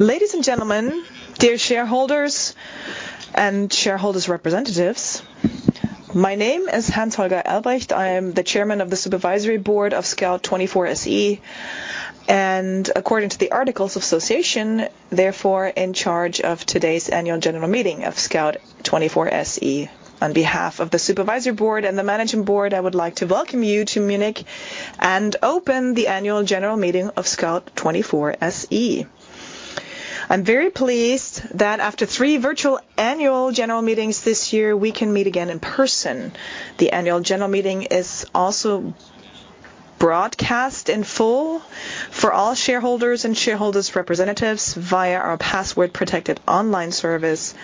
Ladies and gentlemen, dear shareholders and shareholders' representatives, my name is Hans-Holger Albrecht. I am the Chairman of the Supervisory Board of Scout24 SE, and according to the articles of association, therefore, in charge of today's Annual General Meeting of Scout24 SE. On behalf of the Supervisory Board and the Management Board, I would like to welcome you to Munich and open the Annual General Meeting of Scout24 SE. I'm very pleased that after three virtual annual general meetings this year, we can meet again in person. The annual general meeting is also broadcast in full for all shareholders and shareholders' representatives via our password-protected online service.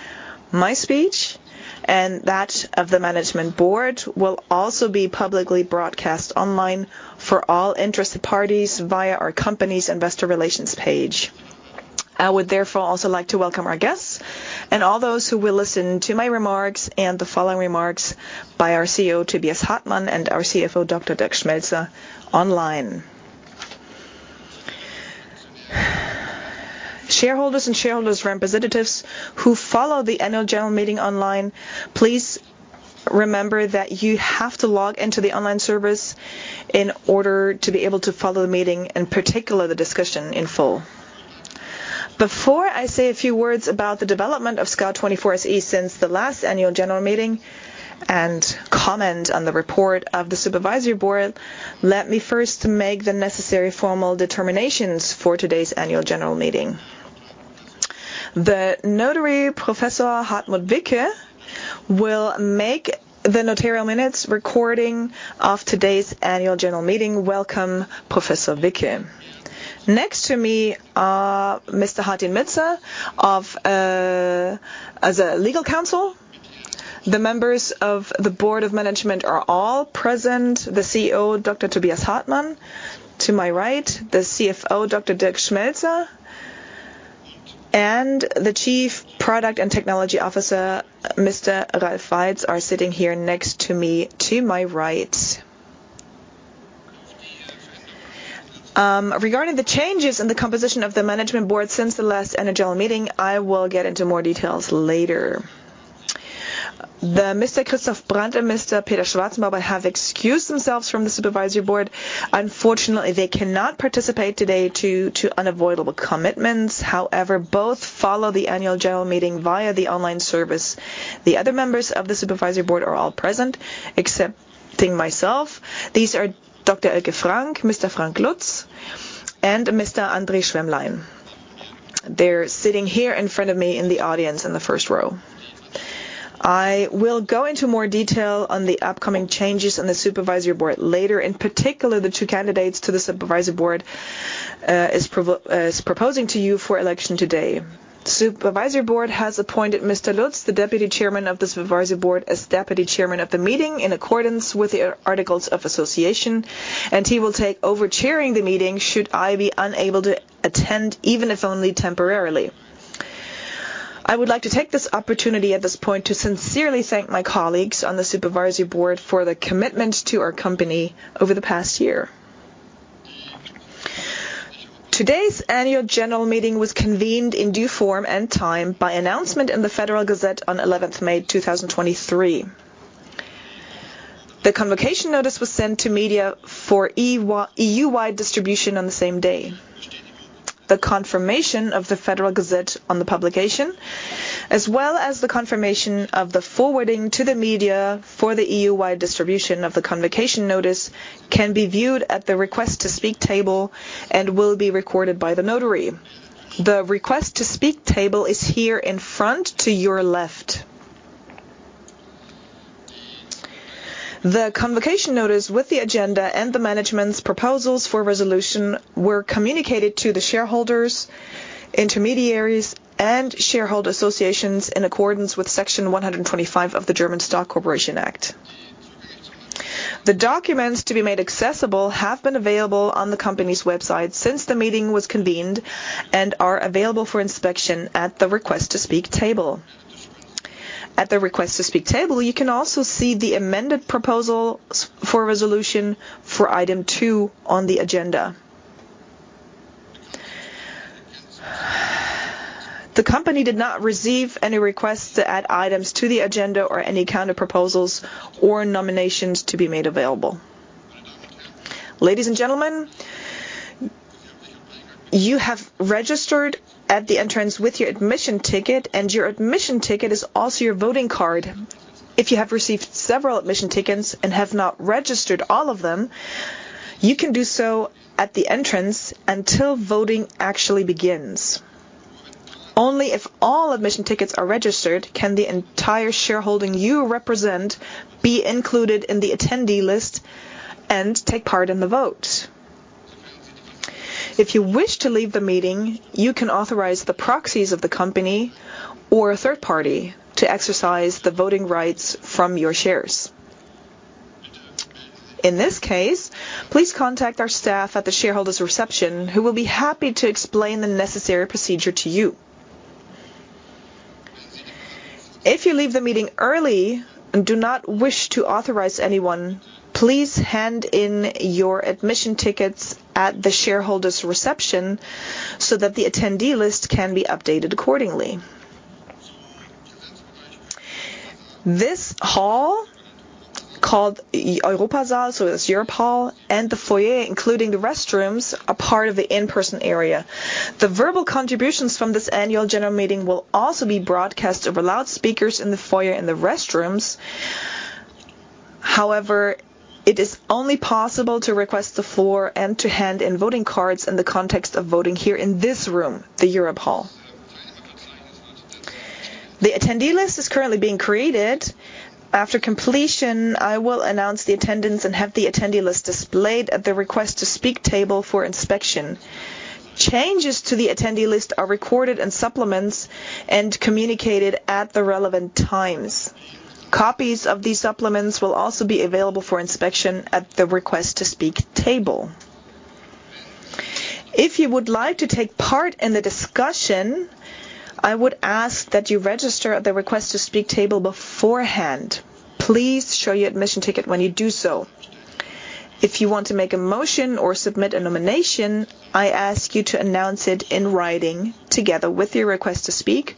My speech, and that of the Management Board, will also be publicly broadcast online for all interested parties via our company's investor relations page. I would therefore also like to welcome our guests and all those who will listen to my remarks and the following remarks by our CEO, Tobias Hartmann, and our CFO, Dr. Dirk Schmelzer, online. Shareholders and shareholders' representatives who follow the annual general meeting online, please remember that you have to log into the online service in order to be able to follow the meeting, in particular, the discussion in full. Before I say a few words about the development of Scout24 SE since the last annual general meeting and comment on the report of the Supervisory Board, let me first make the necessary formal determinations for today's annual general meeting. The notary, Professor Hartmut Wicke, will make the notarial minutes recording of today's annual general meeting. Welcome, Professor Wicke. Next to me are Mr. Hartin Mitza as a legal counsel. The members of the board of management are all present. The CEO, Dr. Tobias Hartmann, to my right, the CFO, Dr. Dirk Schmelzer, and the Chief Product and Technology Officer, Mr. Ralf Weitz, are sitting here next to me to my right. Regarding the changes in the composition of the Management Board since the last annual general meeting, I will get into more details later. The Mr. Christoph Brand and Mr. Peter Schwarzenbauer have excused themselves from the Supervisory Board. Unfortunately, they cannot participate today due to unavoidable commitments. Both follow the annual general meeting via the online service. The other members of the Supervisory Board are all present, excepting myself. These are Dr. Elke Frank, Mr. Frank Lutz, and Mr. André Schwämmlein. They're sitting here in front of me in the audience in the first row. I will go into more detail on the upcoming changes in the Supervisory Board later, in particular, the two candidates to the Supervisory Board is proposing to you for election today. Supervisory Board has appointed Mr. Lutz, the Deputy Chairman of the Supervisory Board, as Deputy Chairman of the meeting in accordance with the articles of association. He will take over chairing the meeting should I be unable to attend, even if only temporarily. I would like to take this opportunity at this point to sincerely thank my colleagues on the Supervisory Board for their commitment to our company over the past year. Today's annual general meeting was convened in due form and time by announcement in the Federal Gazette on 11th May, 2023. The convocation notice was sent to media for EU-wide distribution on the same day. The confirmation of the Federal Gazette on the publication, as well as the confirmation of the forwarding to the media for the EU-wide distribution of the convocation notice, can be viewed at the request to speak table and will be recorded by the notary. The request to speak table is here in front, to your left. The convocation notice with the agenda and the management's proposals for resolution were communicated to the shareholders, intermediaries, and shareholder associations in accordance with Section 125 of the German Stock Corporation Act. The documents to be made accessible have been available on the company's website since the meeting was convened and are available for inspection at the request to speak table. At the request to speak table, you can also see the amended proposal for resolution for item two on the agenda. The company did not receive any requests to add items to the agenda or any counter proposals or nominations to be made available. Ladies and gentlemen, you have registered at the entrance with your admission ticket, and your admission ticket is also your voting card. If you have received several admission tickets and have not registered all of them, you can do so at the entrance until voting actually begins. Only if all admission tickets are registered can the entire shareholding you represent be included in the attendee list and take part in the vote. If you wish to leave the meeting, you can authorize the proxies of the company or a third party to exercise the voting rights from your shares. In this case, please contact our staff at the shareholders' reception, who will be happy to explain the necessary procedure to you. If you leave the meeting early and do not wish to authorize anyone, please hand in your admission tickets at the shareholders reception so that the attendee list can be updated accordingly. This hall, called Europa-Saal, so it's Europe Hall, and the foyer, including the restrooms, are part of the in-person area. The verbal contributions from this annual general meeting will also be broadcast over loudspeakers in the foyer and the restrooms. However, it is only possible to request the floor and to hand in voting cards in the context of voting here in this room, the Europe Hall. The attendee list is currently being created. After completion, I will announce the attendance and have the attendee list displayed at the request to speak table for inspection. Changes to the attendee list are recorded in supplements and communicated at the relevant times. Copies of these supplements will also be available for inspection at the request to speak table. If you would like to take part in the discussion, I would ask that you register at the request to speak table beforehand. Please show your admission ticket when you do so. If you want to make a motion or submit a nomination, I ask you to announce it in writing together with your request to speak,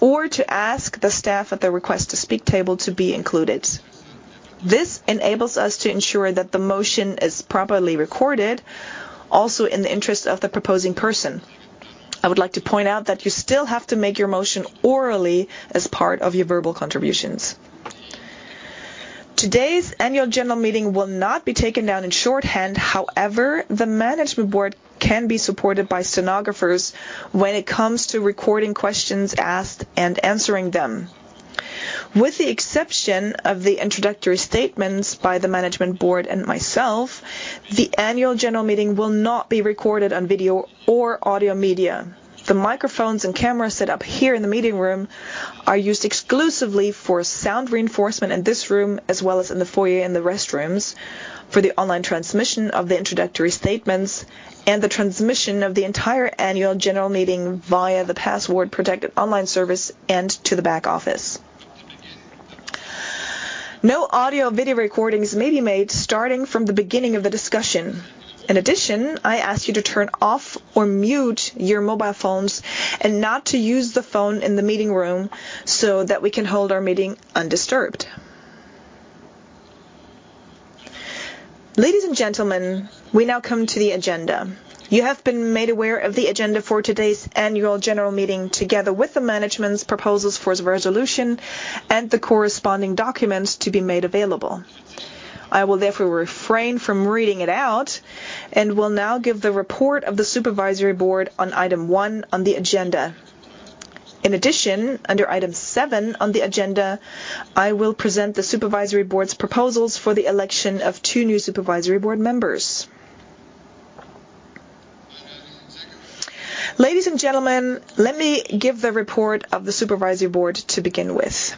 or to ask the staff at the request to speak table to be included. This enables us to ensure that the motion is properly recorded, also in the interest of the proposing person. I would like to point out that you still have to make your motion orally as part of your verbal contributions. Today's annual general meeting will not be taken down in shorthand. The Management Board can be supported by stenographers when it comes to recording questions asked and answering them. With the exception of the introductory statements by the Management Board and myself, the annual general meeting will not be recorded on video or audio media. The microphones and cameras set up here in the meeting room are used exclusively for sound reinforcement in this room, as well as in the foyer and the restrooms, for the online transmission of the introductory statements and the transmission of the entire annual general meeting via the password-protected online service and to the back office. No audio or video recordings may be made starting from the beginning of the discussion. I ask you to turn off or mute your mobile phones and not to use the phone in the meeting room so that we can hold our meeting undisturbed. Ladies and gentlemen, we now come to the agenda. You have been made aware of the agenda for today's annual general meeting, together with the management's proposals for the resolution and the corresponding documents to be made available. I will therefore refrain from reading it out and will now give the report of the Supervisory Board on item one on the agenda. In addition, under item seven on the agenda, I will present the Supervisory Board's proposals for the election of two new Supervisory Board members. Ladies and gentlemen, let me give the report of the Supervisory Board to begin with.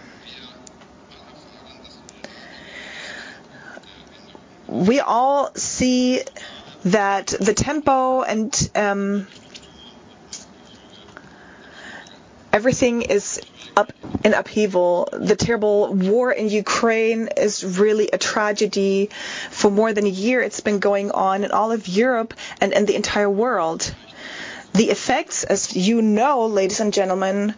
We all see that the tempo and everything is up in upheaval. The terrible war in Ukraine is really a tragedy. For more than a year, it's been going on in all of Europe and in the entire world. The effects, as you know, ladies and gentlemen,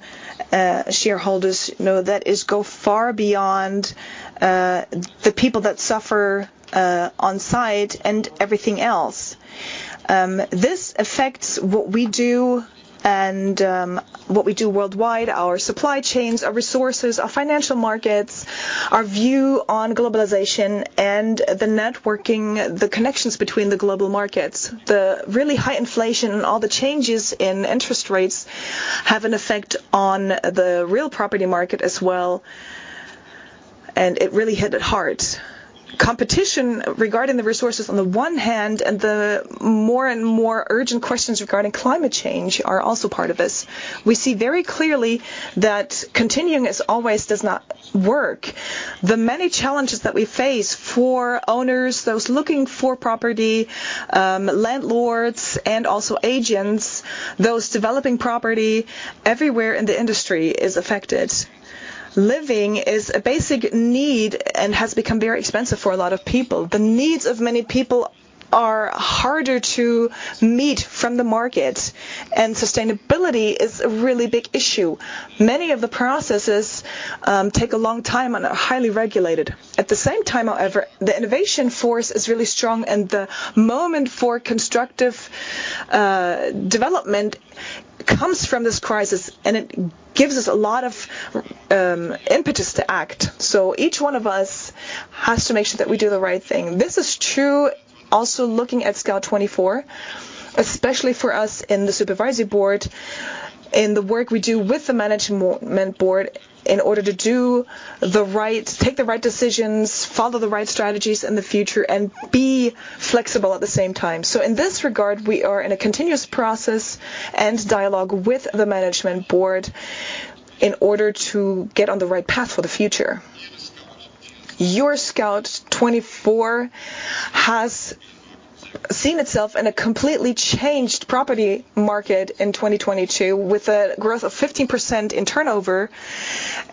shareholders know, that is go far beyond the people that suffer on site and everything else. This affects what we do and what we do worldwide, our supply chains, our resources, our financial markets, our view on globalization and the networking, the connections between the global markets. The really high inflation and all the changes in interest rates have an effect on the real property market as well, and it really hit it hard. Competition regarding the resources on the one hand, and the more and more urgent questions regarding climate change are also part of this. We see very clearly that continuing as always does not work. The many challenges that we face for owners, those looking for property, landlords and also agents, those developing property, everywhere in the industry is affected. Living is a basic need and has become very expensive for a lot of people. The needs of many people are harder to meet from the market, and sustainability is a really big issue. Many of the processes take a long time and are highly regulated. At the same time, however, the innovation force is really strong, and the moment for constructive development comes from this crisis, and it gives us a lot of impetus to act. Each one of us has to make sure that we do the right thing. This is true also looking at Scout24, especially for us in the Supervisory Board, in the work we do with the Management Board, in order to take the right decisions, follow the right strategies in the future, and be flexible at the same time. In this regard, we are in a continuous process and dialogue with the Management Board in order to get on the right path for the future. Your Scout24 has seen itself in a completely changed property market in 2022, with a growth of 15% in turnover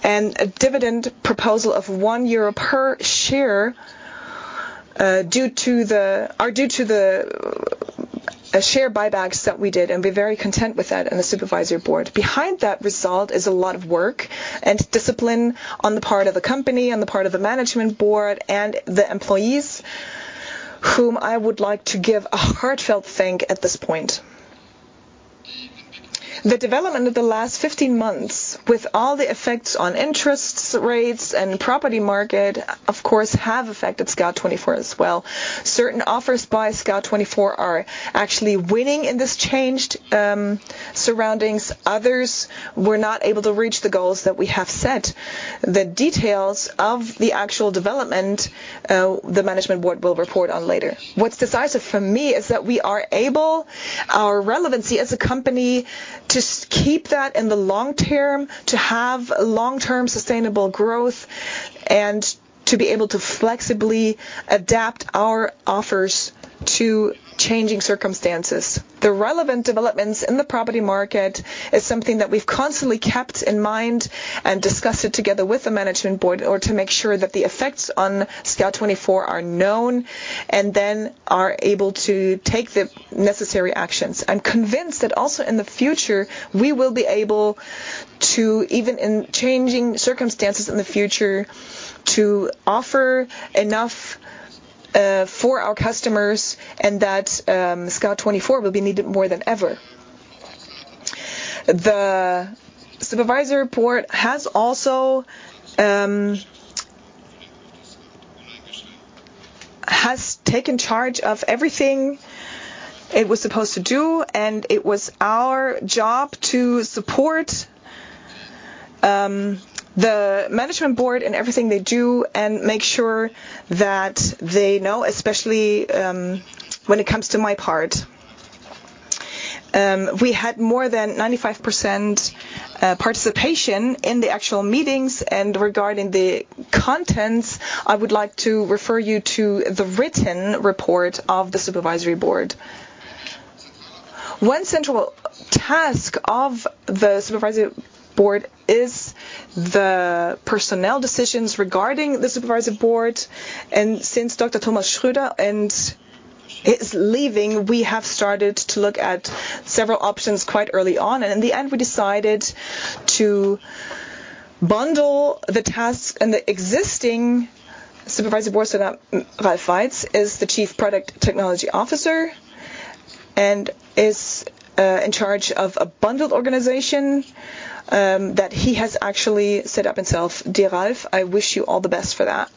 and a dividend proposal of 1 euro per share, due to the share buybacks that we did, and we are very content with that in the Supervisory Board. Behind that result is a lot of work and discipline on the part of the company, on the part of the Management Board, and the employees, whom I would like to give a heartfelt thank at this point. The development of the last 15 months, with all the effects on interests, rates, and property market, of course, have affected Scout24 as well. Certain offers by Scout24 are actually winning in this changed surroundings. Others were not able to reach the goals that we have set. The details of the actual development, the Management Board will report on later. What's decisive for me is that we are able, our relevancy as a company, to keep that in the long term, to have long-term sustainable growth, and to be able to flexibly adapt our offers to changing circumstances. The relevant developments in the property market is something that we've constantly kept in mind and discussed it together with the Management Board, or to make sure that the effects on Scout24 are known and then are able to take the necessary actions. I'm convinced that also in the future, we will be able to, even in changing circumstances in the future, to offer enough for our customers and that Scout24 will be needed more than ever. The supervisory report has also taken charge of everything it was supposed to do, it was our job to support the Management Board in everything they do and make sure that they know, especially when it comes to my part. We had more than 95% participation in the actual meetings, regarding the contents, I would like to refer you to the written report of the Supervisory Board. One central task of the Supervisory Board is the personnel decisions regarding the Supervisory Board, since Dr. Thomas Schroeter and... is leaving, we have started to look at several options quite early on, and in the end, we decided to bundle the tasks, and the existing Supervisory Board, so that Ralf Weitz is the Chief Product Technology Officer and is in charge of a bundled organization that he has actually set up himself. Dear Ralf, I wish you all the best for that.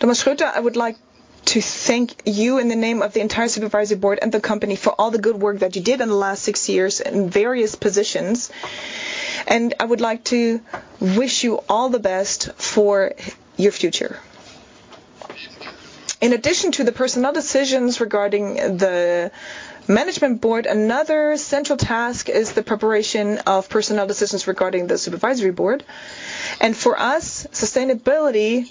Thomas Schroeter, I would like to thank you in the name of the entire Supervisory Board and the company for all the good work that you did in the last six years in various positions, and I would like to wish you all the best for your future. In addition to the personnel decisions regarding the Management Board, another central task is the preparation of personnel decisions regarding the Supervisory Board. For us, sustainability,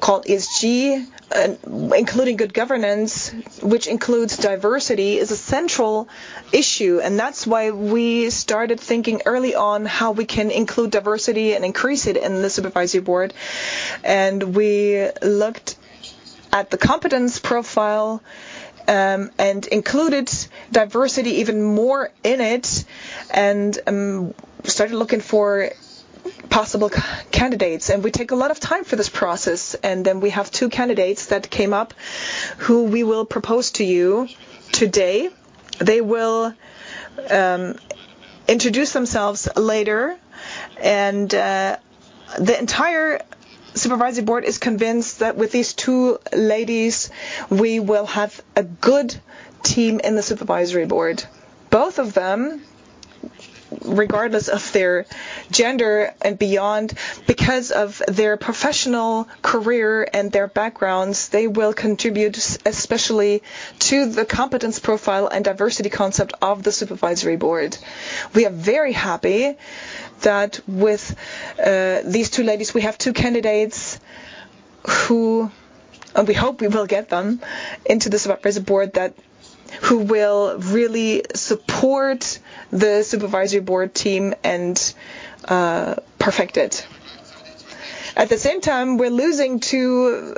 called ESG, and including good governance, which includes diversity, is a central issue, and that's why we started thinking early on how we can include diversity and increase it in the Supervisory Board. We looked at the competence profile and included diversity even more in it, and started looking for possible candidates. We take a lot of time for this process, and then we have two candidates that came up, who we will propose to you today. They will introduce themselves later, and the entire Supervisory Board is convinced that with these two ladies, we will have a good team in the Supervisory Board. Both of them, regardless of their gender and beyond, because of their professional career and their backgrounds, they will contribute especially to the competence profile and diversity concept of the Supervisory Board. We are very happy that with these two ladies, we have two candidates who. We hope we will get them into the Supervisory Board, who will really support the Supervisory Board team and perfect it. At the same time, we're losing two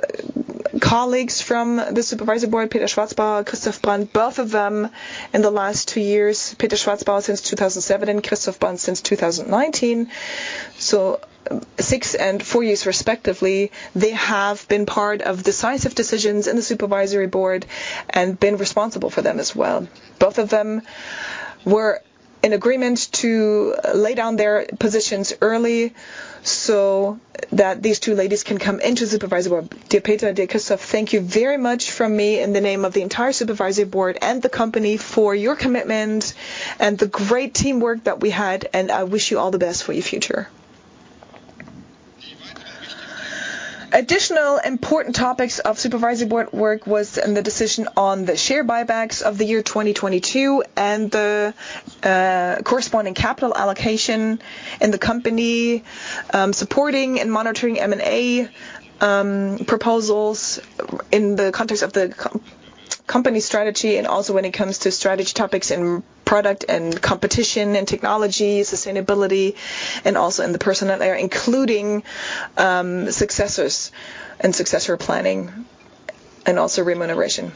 colleagues from the Supervisory Board, Peter Schwarzenbauer, Christoph Brand, both of them in the last two years, Peter Schwarzenbauer since 2007, and Christoph Brand since 2019. Six and four years, respectively. They have been part of decisive decisions in the Supervisory Board and been responsible for them as well. Both of them were in agreement to lay down their positions early so that these two ladies can come into the Supervisory Board. Dear Peter, dear Christoph, thank you very much from me in the name of the entire Supervisory Board and the company, for your commitment and the great teamwork that we had. I wish you all the best for your future. Additional important topics of Supervisory Board work was in the decision on the share buybacks of the year 2022, and the corresponding capital allocation in the company, supporting and monitoring M&A proposals in the context of the company strategy, and also when it comes to strategy topics in product and competition and technology, sustainability, and also in the personnel area, including successors and successor planning and also remuneration.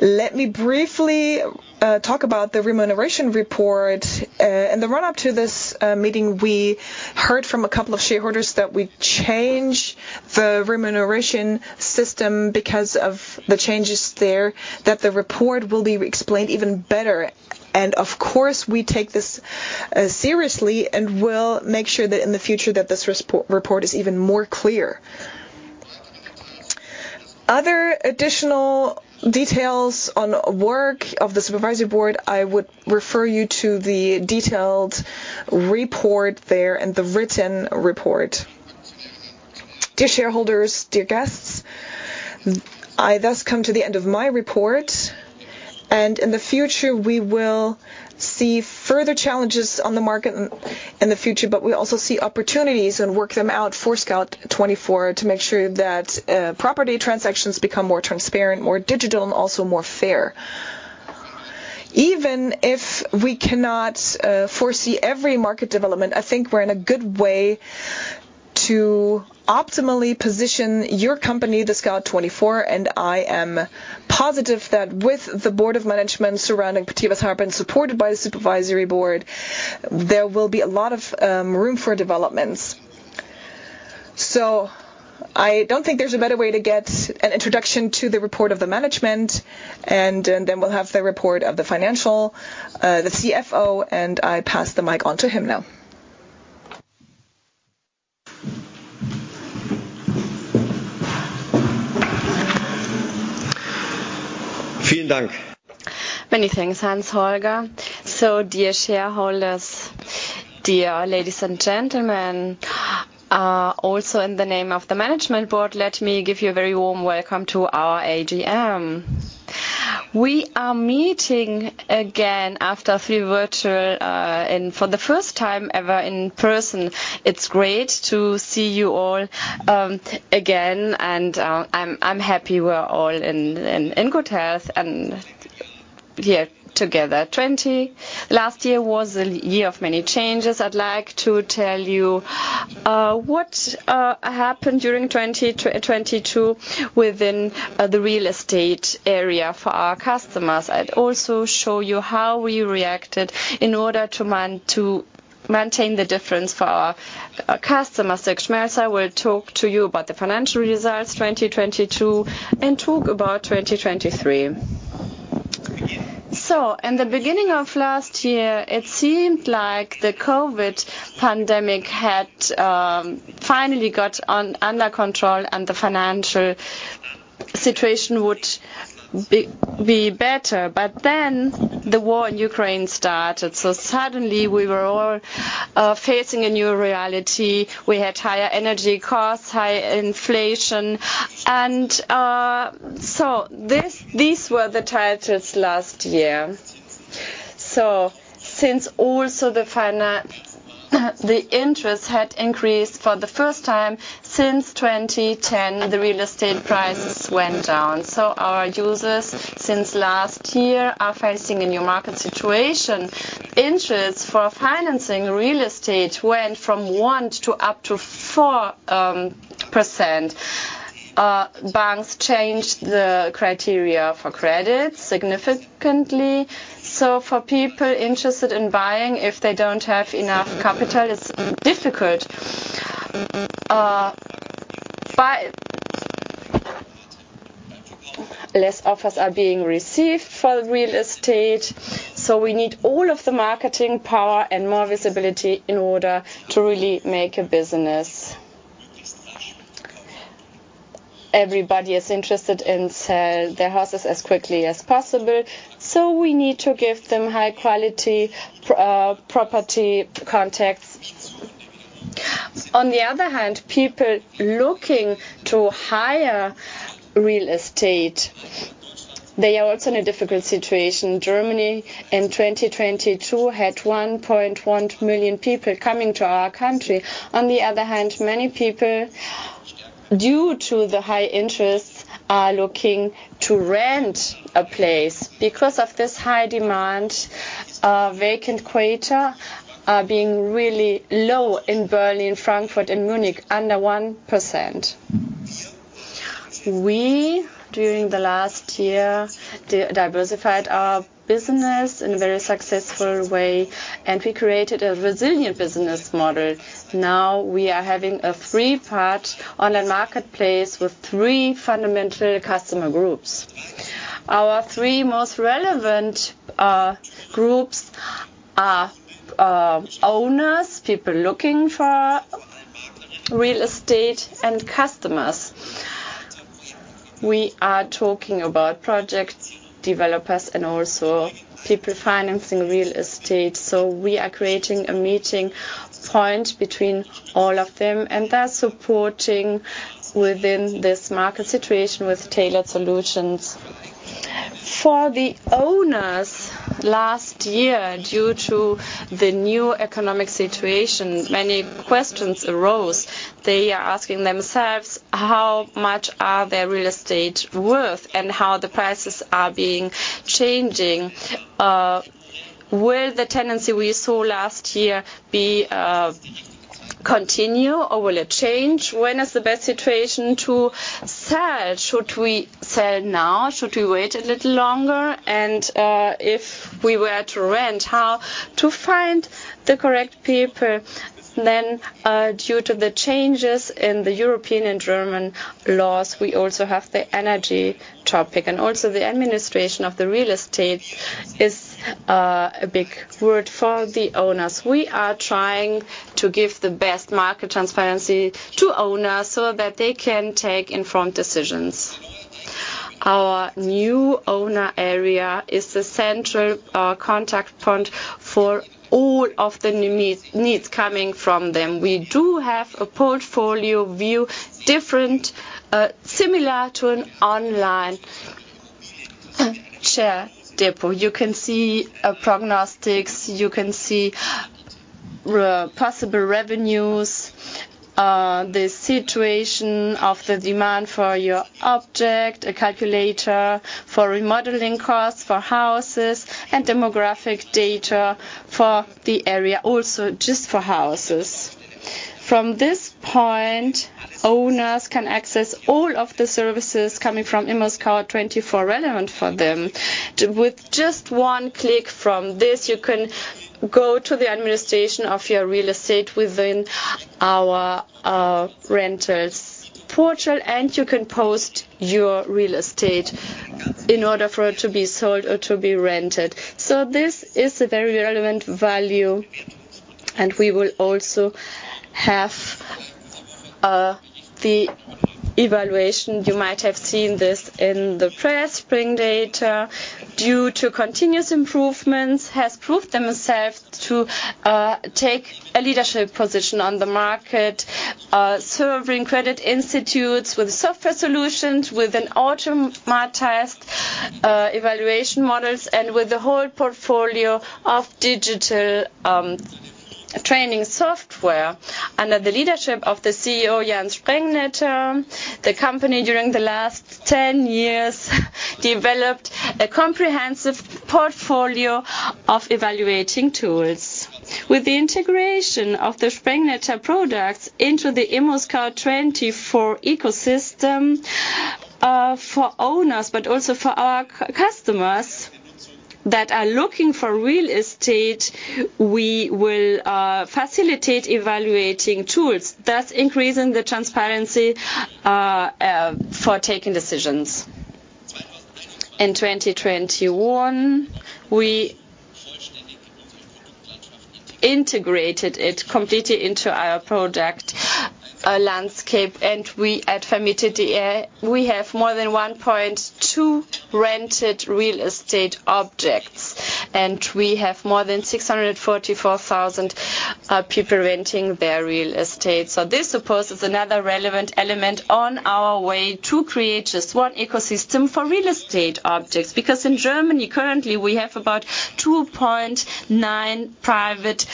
Let me briefly talk about the remuneration report. In the run-up to this meeting, we heard from a couple of shareholders that we change the remuneration system because of the changes there, that the report will be explained even better. Of course, we take this seriously, and we'll make sure that in the future that this report is even more clear. Other additional details on work of the Supervisory Board, I would refer you to the detailed report there and the written report. Dear shareholders, dear guests, I thus come to the end of my report. In the future, we will see further challenges on the market in the future, but we also see opportunities and work them out for Scout24 to make sure that property transactions become more transparent, more digital, and also more fair. Even if we cannot foresee every market development, I think we're in a good way to optimally position your company, the Scout24. I am positive that with the board of management surrounding Tobias Hartmann, supported by the Supervisory Board, there will be a lot of room for developments. I don't think there's a better way to get an introduction to the report of the management. Then we'll have the report of the financial, the CFO. I pass the mic on to him now. Many thanks, Hans-Holger. Dear shareholders, dear ladies and gentlemen, also in the name of the Management Board, let me give you a very warm welcome to our AGM. We are meeting again after three virtual and for the first time ever in person. It's great to see you all again, I'm happy we're all in good health, and here together. Last year was a year of many changes. I'd like to tell you what happened during 2022 within the real estate area for our customers. I'd also show you how we reacted in order to maintain the difference for our customers. Dirk Schmelzer will talk to you about the financial results 2022 and talk about 2023. In the beginning of last year, it seemed like the Covid pandemic had finally got under control, and the financial situation would be better. The war in Ukraine started, we were all facing a new reality. We had higher energy costs, high inflation, these were the titles last year. The interest had increased for the first time since 2010, the real estate prices went down. Our users since last year are facing a new market situation. Interest for financing real estate went from 1% to up to 4%. Banks changed the criteria for credit significantly. For people interested in buying, if they don't have enough capital, it's difficult. Less offers are being received for real estate, so we need all of the marketing power and more visibility in order to really make a business. Everybody is interested in sell their houses as quickly as possible, so we need to give them high-quality property contacts. People looking to hire real estate, they are also in a difficult situation. Germany, in 2022, had 1.1 million people coming to our country. Many people, due to the high interest, are looking to rent a place. Because of this high demand, vacant quarter are being really low in Berlin, Frankfurt, and Munich, under 1%. We, during the last year, diversified our business in a very successful way, and we created a resilient business model. We are having a three-part online marketplace with three fundamental customer groups. Our three most relevant groups are owners, people looking for real estate and customers. We are talking about project developers and also people financing real estate. We are creating a meeting point between all of them, and they're supporting within this market situation with tailored solutions. For the owners, last year, due to the new economic situation, many questions arose. They are asking themselves, how much are their real estate worth? How the prices are being changing. Will the tenancy we saw last year continue or will it change? When is the best situation to sell? Should we sell now? Should we wait a little longer? If we were to rent, how to find the correct people. Due to the changes in the European and German laws, we also have the energy topic, and also the administration of the real estate is a big word for the owners. We are trying to give the best market transparency to owners so that they can take informed decisions. Our new owner area is the central contact point for all of the new needs coming from them. We do have a portfolio view, different, similar to an online share depot. You can see prognostics, you can see possible revenues, the situation of the demand for your object, a calculator for remodeling costs for houses, and demographic data for the area, also just for houses. From this point, owners can access all of the services coming from ImmoScout24 relevant for them. With just one click from this, you can go to the administration of your real estate within our renters portal, and you can post your real estate in order for it to be sold or to be rented. This is a very relevant value, and we will also have the evaluation. You might have seen this in the press Sprengnetter. Due to continuous improvements, has proved themselves to take a leadership position on the market, serving credit institutes with software solutions, with an automated evaluation models, and with the whole portfolio of digital training software. Under the leadership of the CEO, Jan Sprengnetter, the company, during the last 10 years, developed a comprehensive portfolio of evaluating tools. With the integration of the Sprengnetter products into the ImmoScout24 ecosystem, for owners, but also for our customers that are looking for real estate, we will facilitate evaluating tools, thus increasing the transparency for taking decisions. In 2021, we integrated it completely into our product landscape, and we at Vermietet.de, we have more than 1.2 rented real estate objects, and we have more than 644,000 people renting their real estate. This, of course, is another relevant element on our way to create just one ecosystem for real estate objects. In Germany, currently, we have about 2.9 private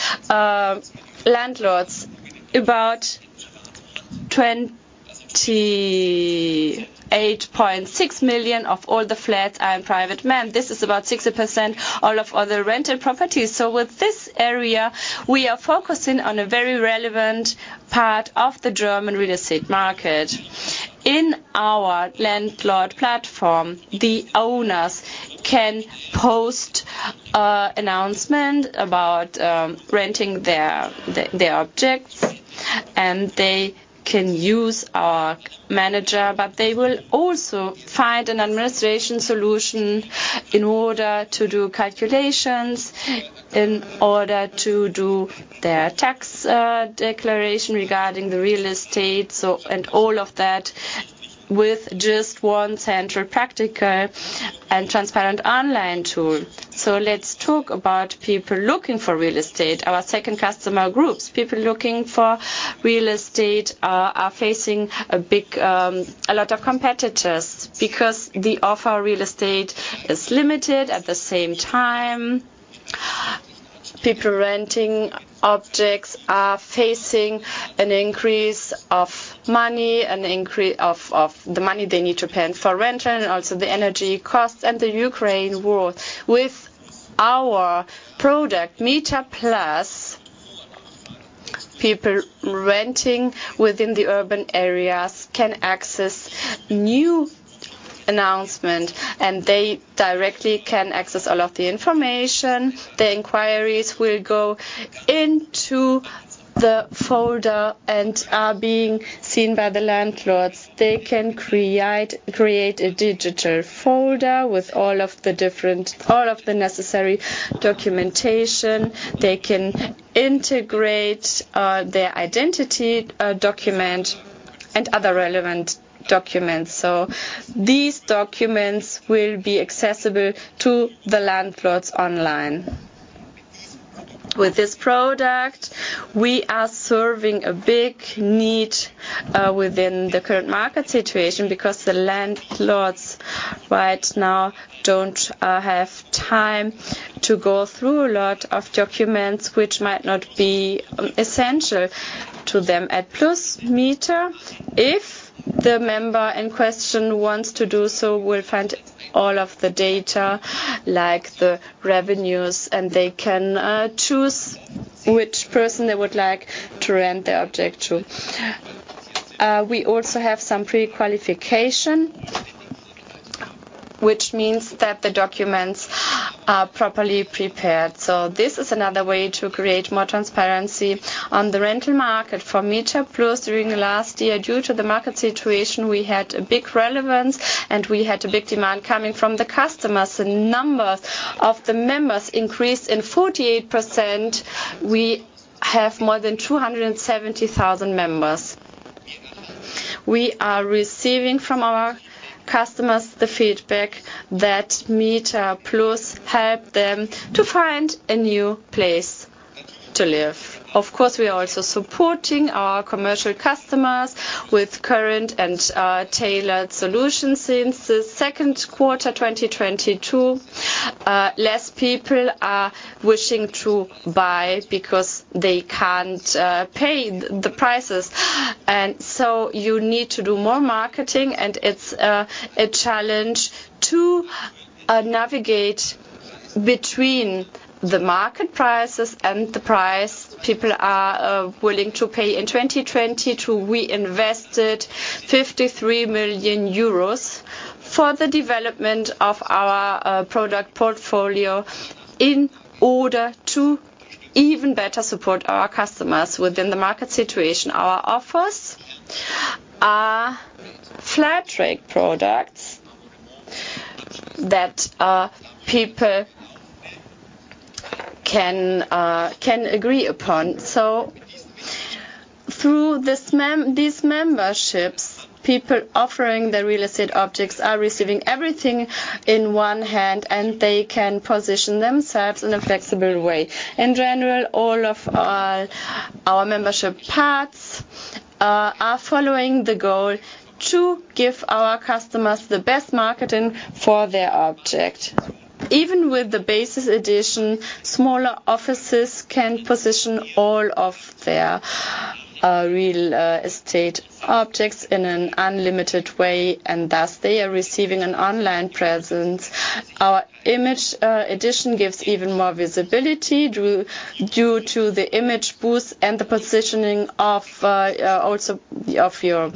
landlords. About 28.6 million of all the flats are in private hands. This is about 60% all of other rented properties. With this area, we are focusing on a very relevant part of the German real estate market. In our landlord platform, the owners can post announcement about renting their objects, and they can use our manager. They will also find an administration solution in order to do calculations, in order to do their tax declaration regarding the real estate, and all of that with just one central, practical, and transparent online tool. Let's talk about people looking for real estate. Our second customer groups. People looking for real estate are facing a big. A lot of competitors because the offer real estate is limited. At the same time, people renting objects are facing an increase of money, an increase of the money they need to pay for rental, and also the energy costs and the Ukraine war. With our product, MieterPlus, people renting within the urban areas can access new announcement, they directly can access all of the information. The inquiries will go into the folder and are being seen by the landlords. They can create a digital folder with all of the necessary documentation. They can integrate their identity document, and other relevant documents. These documents will be accessible to the landlords online. With this product, we are serving a big need within the current market situation because the landlords right now don't have time to go through a lot of documents which might not be essential to them. At MieterPlus, if the member in question wants to do so, will find all of the data, like the revenues, and they can choose which person they would like to rent the object to. We also have some prequalification, which means that the documents are properly prepared. This is another way to create more transparency on the rental market. For MieterPlus, during the last year, due to the market situation, we had a big relevance, and we had a big demand coming from the customers. The number of the members increased in 48%. We have more than 270,000 members. We are receiving from our customers the feedback that MieterPlus helped them to find a new place to live. Of course, we are also supporting our commercial customers with current and tailored solutions. Since the second quarter, 2022, less people are wishing to buy because they can't pay the prices. You need to do more marketing, and it's a challenge to navigate between the market prices and the price people are willing to pay. In 2022, we invested 53 million euros for the development of our product portfolio in order to even better support our customers within the market situation. Our offers are fair trade products that people can agree upon. Through these memberships, people offering their real estate objects are receiving everything in one hand, and they can position themselves in a flexible way. In general, all of our membership paths are following the goal to give our customers the best marketing for their object. Even with the basis edition, smaller offices can position all of their real estate objects in an unlimited way, and thus, they are receiving an online presence. Our image edition gives even more visibility due to the image boost and the positioning of also of your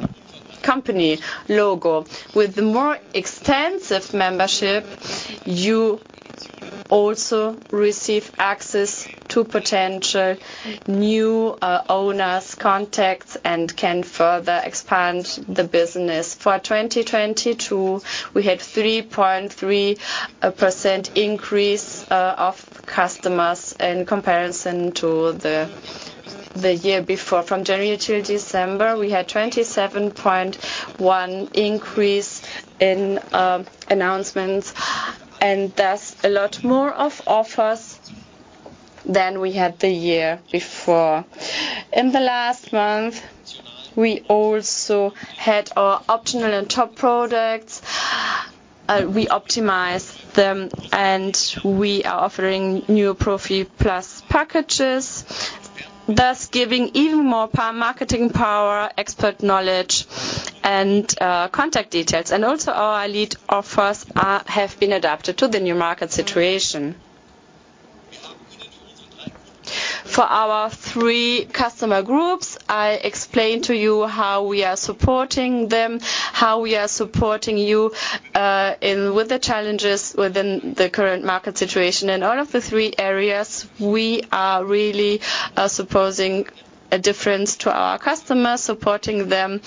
company logo. With the more extensive membership, you also receive access to potential new owners, contacts, and can further expand the business. For 2022, we had 3.3% increase of customers in comparison to the year before. From January to December, we had 27.1% increase in announcements, and that's a lot more of offers than we had the year before. In the last month, we also had our optional and top products. We optimized them, we are offering new Profi+ packages, thus giving even more marketing power, expert knowledge, and contact details. Our lead offers have been adapted to the new market situation. For our three customer groups, I explained to you how we are supporting them, how we are supporting you in with the challenges within the current market situation. In all of the three areas, we are really supposing a difference to our customers, supporting them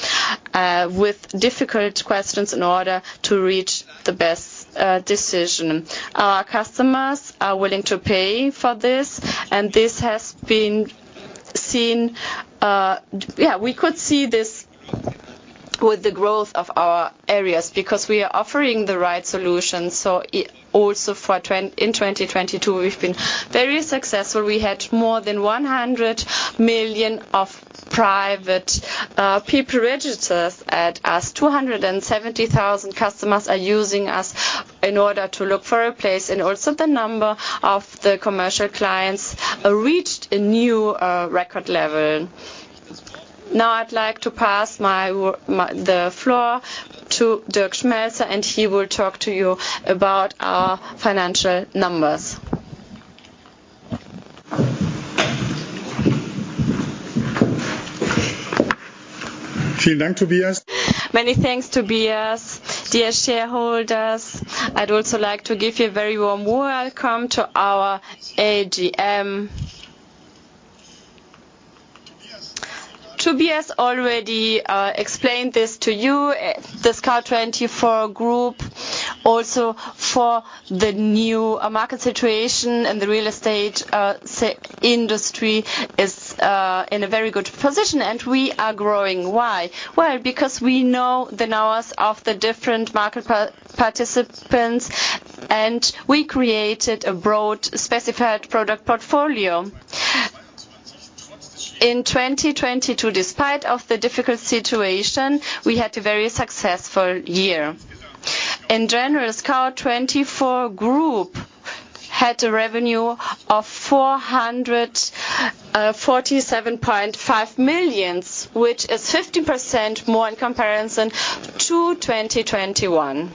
with difficult questions in order to reach the best decision. Our customers are willing to pay for this has been seen. We could see this with the growth of our areas because we are offering the right solutions. Also for in 2022, we've been very successful. We had more than 100 million of private people registered at us. 270,000 customers are using us in order to look for a place. Also, the number of the commercial clients reached a new record level. Now, I'd like to pass my the floor to Dirk Schmelzer. He will talk to you about our financial numbers. Many thanks, Tobias. Dear shareholders, I'd also like to give you a very warm welcome to our AGM. Tobias already explained this to you, the Scout24 Group, also for the new market situation and the real estate industry is in a very good position. We are growing. Why? Well, because we know the knowers of the different market participants. We created a broad specified product portfolio. In 2022, despite of the difficult situation, we had a very successful year. In general, Scout24 Group had a revenue of 447.5 million, which is 50% more in comparison to 2021.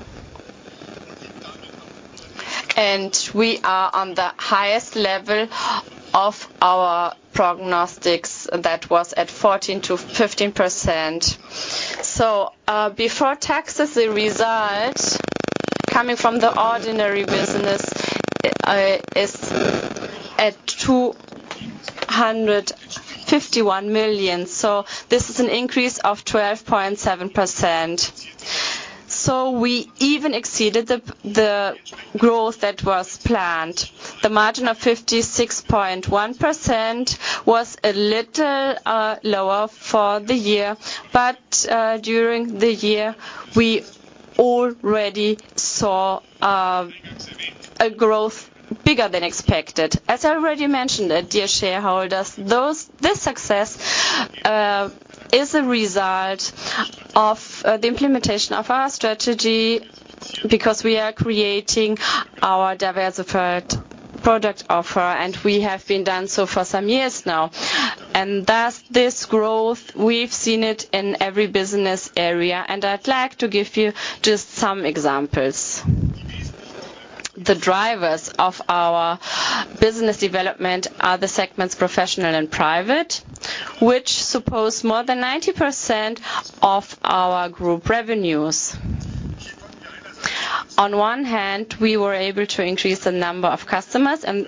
We are on the highest level of our prognostics. That was at 14%-15%. Before taxes, the result coming from the ordinary business, is at 251 million. This is an increase of 12.7%. We even exceeded the growth that was planned. The margin of 56.1% was a little lower for the year, but during the year, we already saw a growth bigger than expected. As I already mentioned, dear shareholders, this success is a result of the implementation of our strategy, because we are creating our diversified product offer, we have been done so for some years now. Thus, this growth, we've seen it in every business area, and I'd like to give you just some examples. The drivers of our business development are the segments, Professional and Private, which suppose more than 90% of our group revenues. On one hand, we were able to increase the number of customers and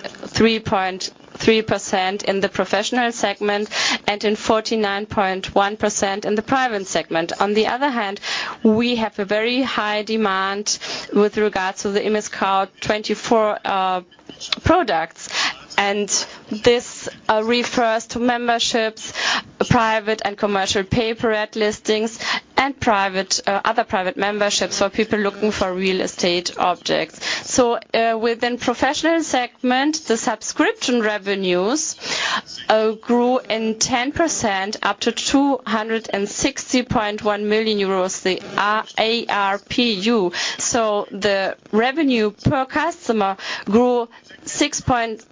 3.3% in the Professional segment, and in 49.1% in the Private segment. On the other hand, we have a very high demand with regards to the ImmoScout24 products, and this refers to memberships, private and commercial pay per head listings and private other private memberships for people looking for real estate objects. Within Professional segment, the subscription revenues grew in 10%, up to 260.1 million euros, the ARPU. The revenue per customer grew 6.8%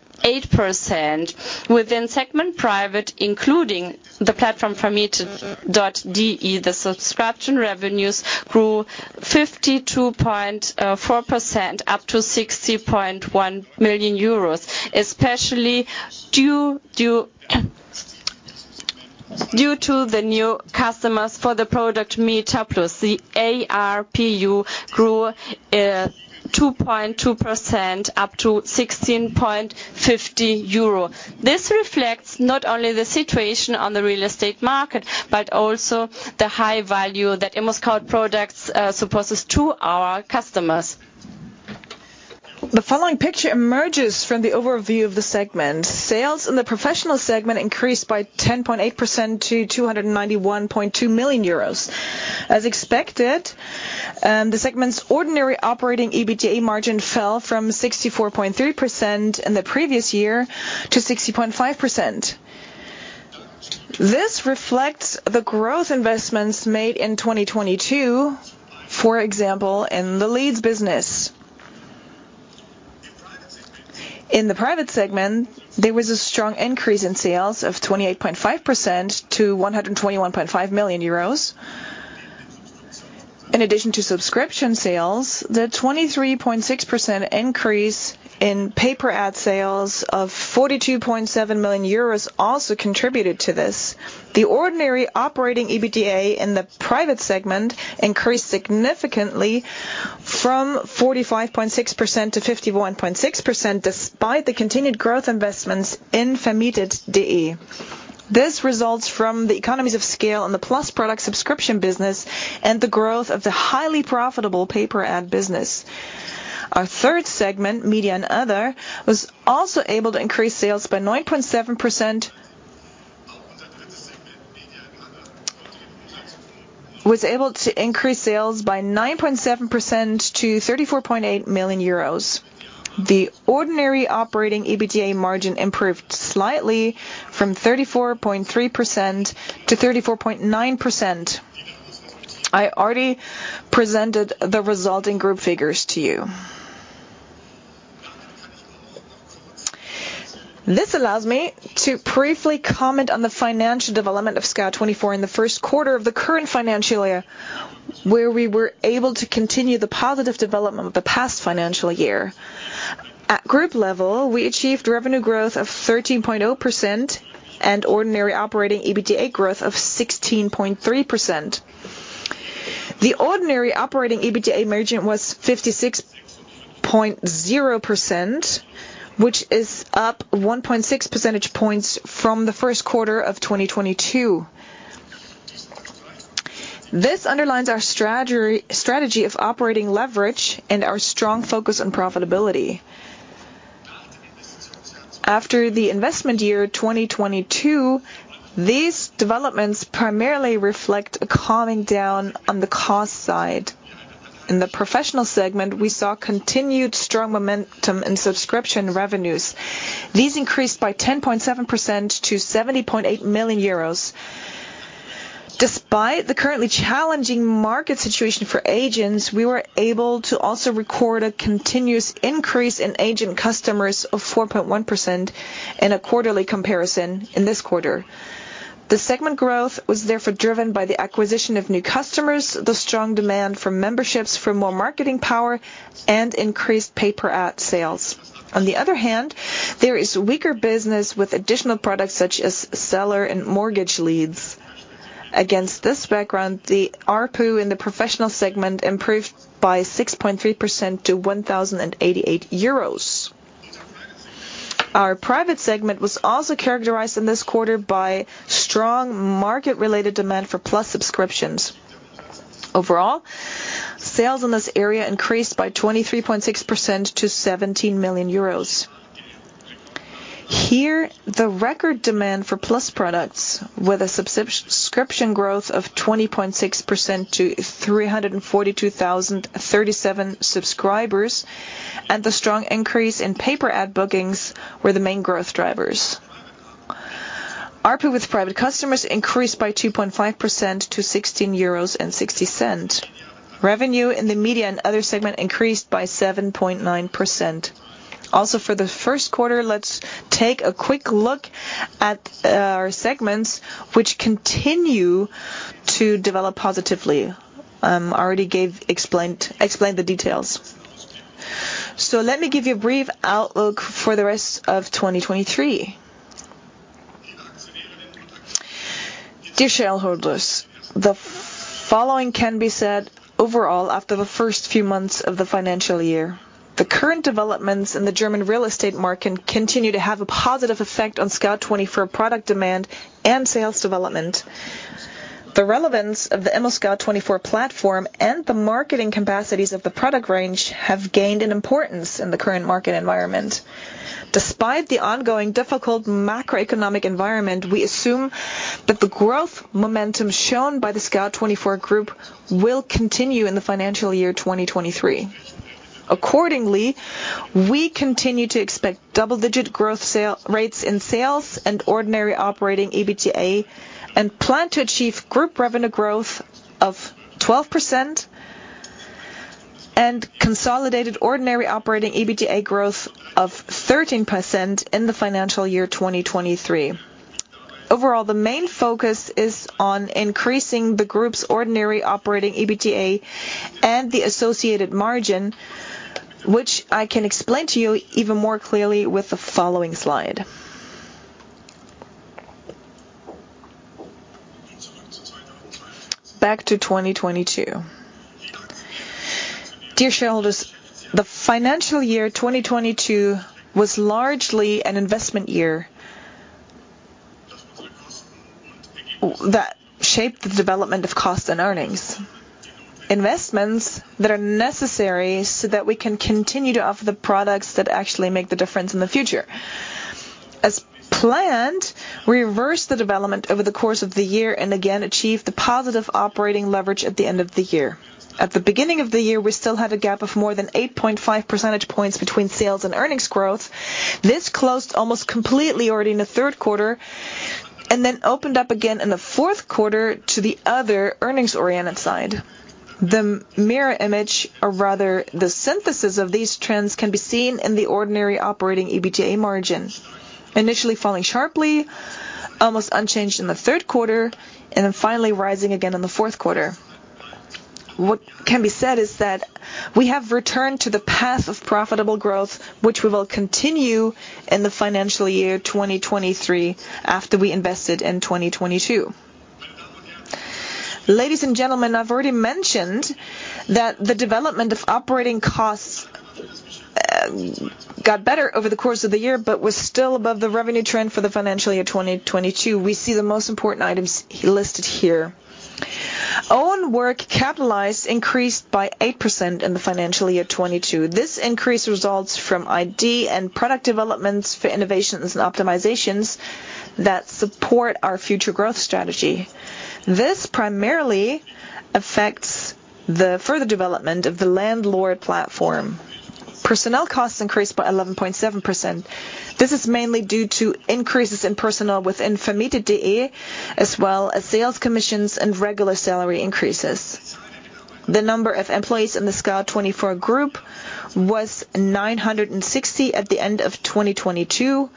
within segment Private, including the platform Vermietet.de. The subscription revenues grew 52.4%, up to 60.1 million euros, especially due to the new customers for the product, MieterPlus, the ARPU grew 2.2%, up to 16.50 euro. This reflects not only the situation on the real estate market, but also the high value that ImmoScout products supposes to our customers. The following picture emerges from the overview of the segment. Sales in the Professional segment increased by 10.8% to 291.2 million euros. As expected, the segment's ordinary operating EBITDA margin fell from 64.3% in the previous year to 60.5%. This reflects the growth investments made in 2022, for example, in the leads business. In the Private segment, there was a strong increase in sales of 28.5% to 121.5 million euros. In addition to subscription sales, the 23.6% increase in pay per ad sales of 42.7 million euros also contributed to this. The ordinary operating EBITDA in the Private segment increased significantly from 45.6% to 51.6%, despite the continued growth investments in Vermietet.de. This results from the economies of scale and the Plus product subscription business and the growth of the highly profitable pay per ad business. Our third segment, Media and Other, was also able to increase sales by 9.7% to 34.8 million euros. The ordinary operating EBITDA margin improved slightly from 34.3% to 34.9%. I already presented the resulting group figures to you. This allows me to briefly comment on the financial development of Scout24 in the first quarter of the current financial year, where we were able to continue the positive development of the past financial year. At group level, we achieved revenue growth of 13.0% and ordinary operating EBITDA growth of 16.3%. The ordinary operating EBITDA margin was 56.0%, which is up 1.6 percentage points from the first quarter of 2022. This underlines our strategy of operating leverage and our strong focus on profitability. After the investment year, 2022, these developments primarily reflect a calming down on the cost side. In the professional segment, we saw continued strong momentum in subscription revenues. These increased by 10.7% to 70.8 million euros. Despite the currently challenging market situation for agents, we were able to also record a continuous increase in agent customers of 4.1% in a quarterly comparison in this quarter. The segment growth was therefore driven by the acquisition of new customers, the strong demand for memberships for more marketing power, and increased pay-per-ad sales. On the other hand, there is weaker business with additional products, such as seller and mortgage leads. Against this background, the ARPU in the professional segment improved by 6.3% to 1,088 euros. Our private segment was also characterized in this quarter by strong market-related demand for Plus subscriptions. Overall, sales in this area increased by 23.6% to 17 million euros. Here, the record demand for Plus products, with a subscription growth of 20.6% to 342,037 subscribers, and the strong increase in pay-per-ad bookings, were the main growth drivers. ARPU with private customers increased by 2.5% to 16.60 euros. Revenue in the media and other segment increased by 7.9%. For the first quarter, let's take a quick look at our segments, which continue to develop positively. I already explained the details. Let me give you a brief outlook for the rest of 2023. Dear shareholders, the following can be said: overall, after the first few months of the financial year, the current developments in the German real estate market continue to have a positive effect on Scout24 product demand and sales development. The relevance of the ImmoScout24 platform and the marketing capacities of the product range have gained in importance in the current market environment. Despite the ongoing difficult macroeconomic environment, we assume that the growth momentum shown by the Scout24 Group will continue in the financial year 2023. We continue to expect double-digit growth sale rates in sales and ordinary operating EBITDA, plan to achieve group revenue growth of 12% and consolidated ordinary operating EBITDA growth of 13% in the financial year 2023. The main focus is on increasing the group's ordinary operating EBITDA and the associated margin, which I can explain to you even more clearly with the following slide. Back to 2022. Dear shareholders, the financial year 2022 was largely an investment year that shaped the development of costs and earnings. Investments that are necessary so that we can continue to offer the products that actually make the difference in the future. As planned, we reversed the development over the course of the year and again, achieved the positive operating leverage at the end of the year. At the beginning of the year, we still had a gap of more than 8.5 percentage points between sales and earnings growth. This closed almost completely already in the third quarter, opened up again in the fourth quarter to the other earnings-oriented side. The mirror image, or rather the synthesis of these trends, can be seen in the ordinary operating EBITDA margin. Initially falling sharply, almost unchanged in the third quarter, finally rising again in the fourth quarter. What can be said is that we have returned to the path of profitable growth, which we will continue in the financial year 2023, after we invested in 2022. Ladies and gentlemen, I've already mentioned that the development of operating costs got better over the course of the year, but was still above the revenue trend for the financial year 2022. We see the most important items listed here. Own work capitalized increased by 8% in the financial year 2022. This increase results from ID and product developments for innovations and optimizations that support our future growth strategy. This primarily affects the further development of the landlord platform. Personnel costs increased by 11.7%. This is mainly due to increases in personnel within Vermietet.de, as well as sales commissions and regular salary increases. The number of employees in the Scout24 Group was 960 at the end of 2022,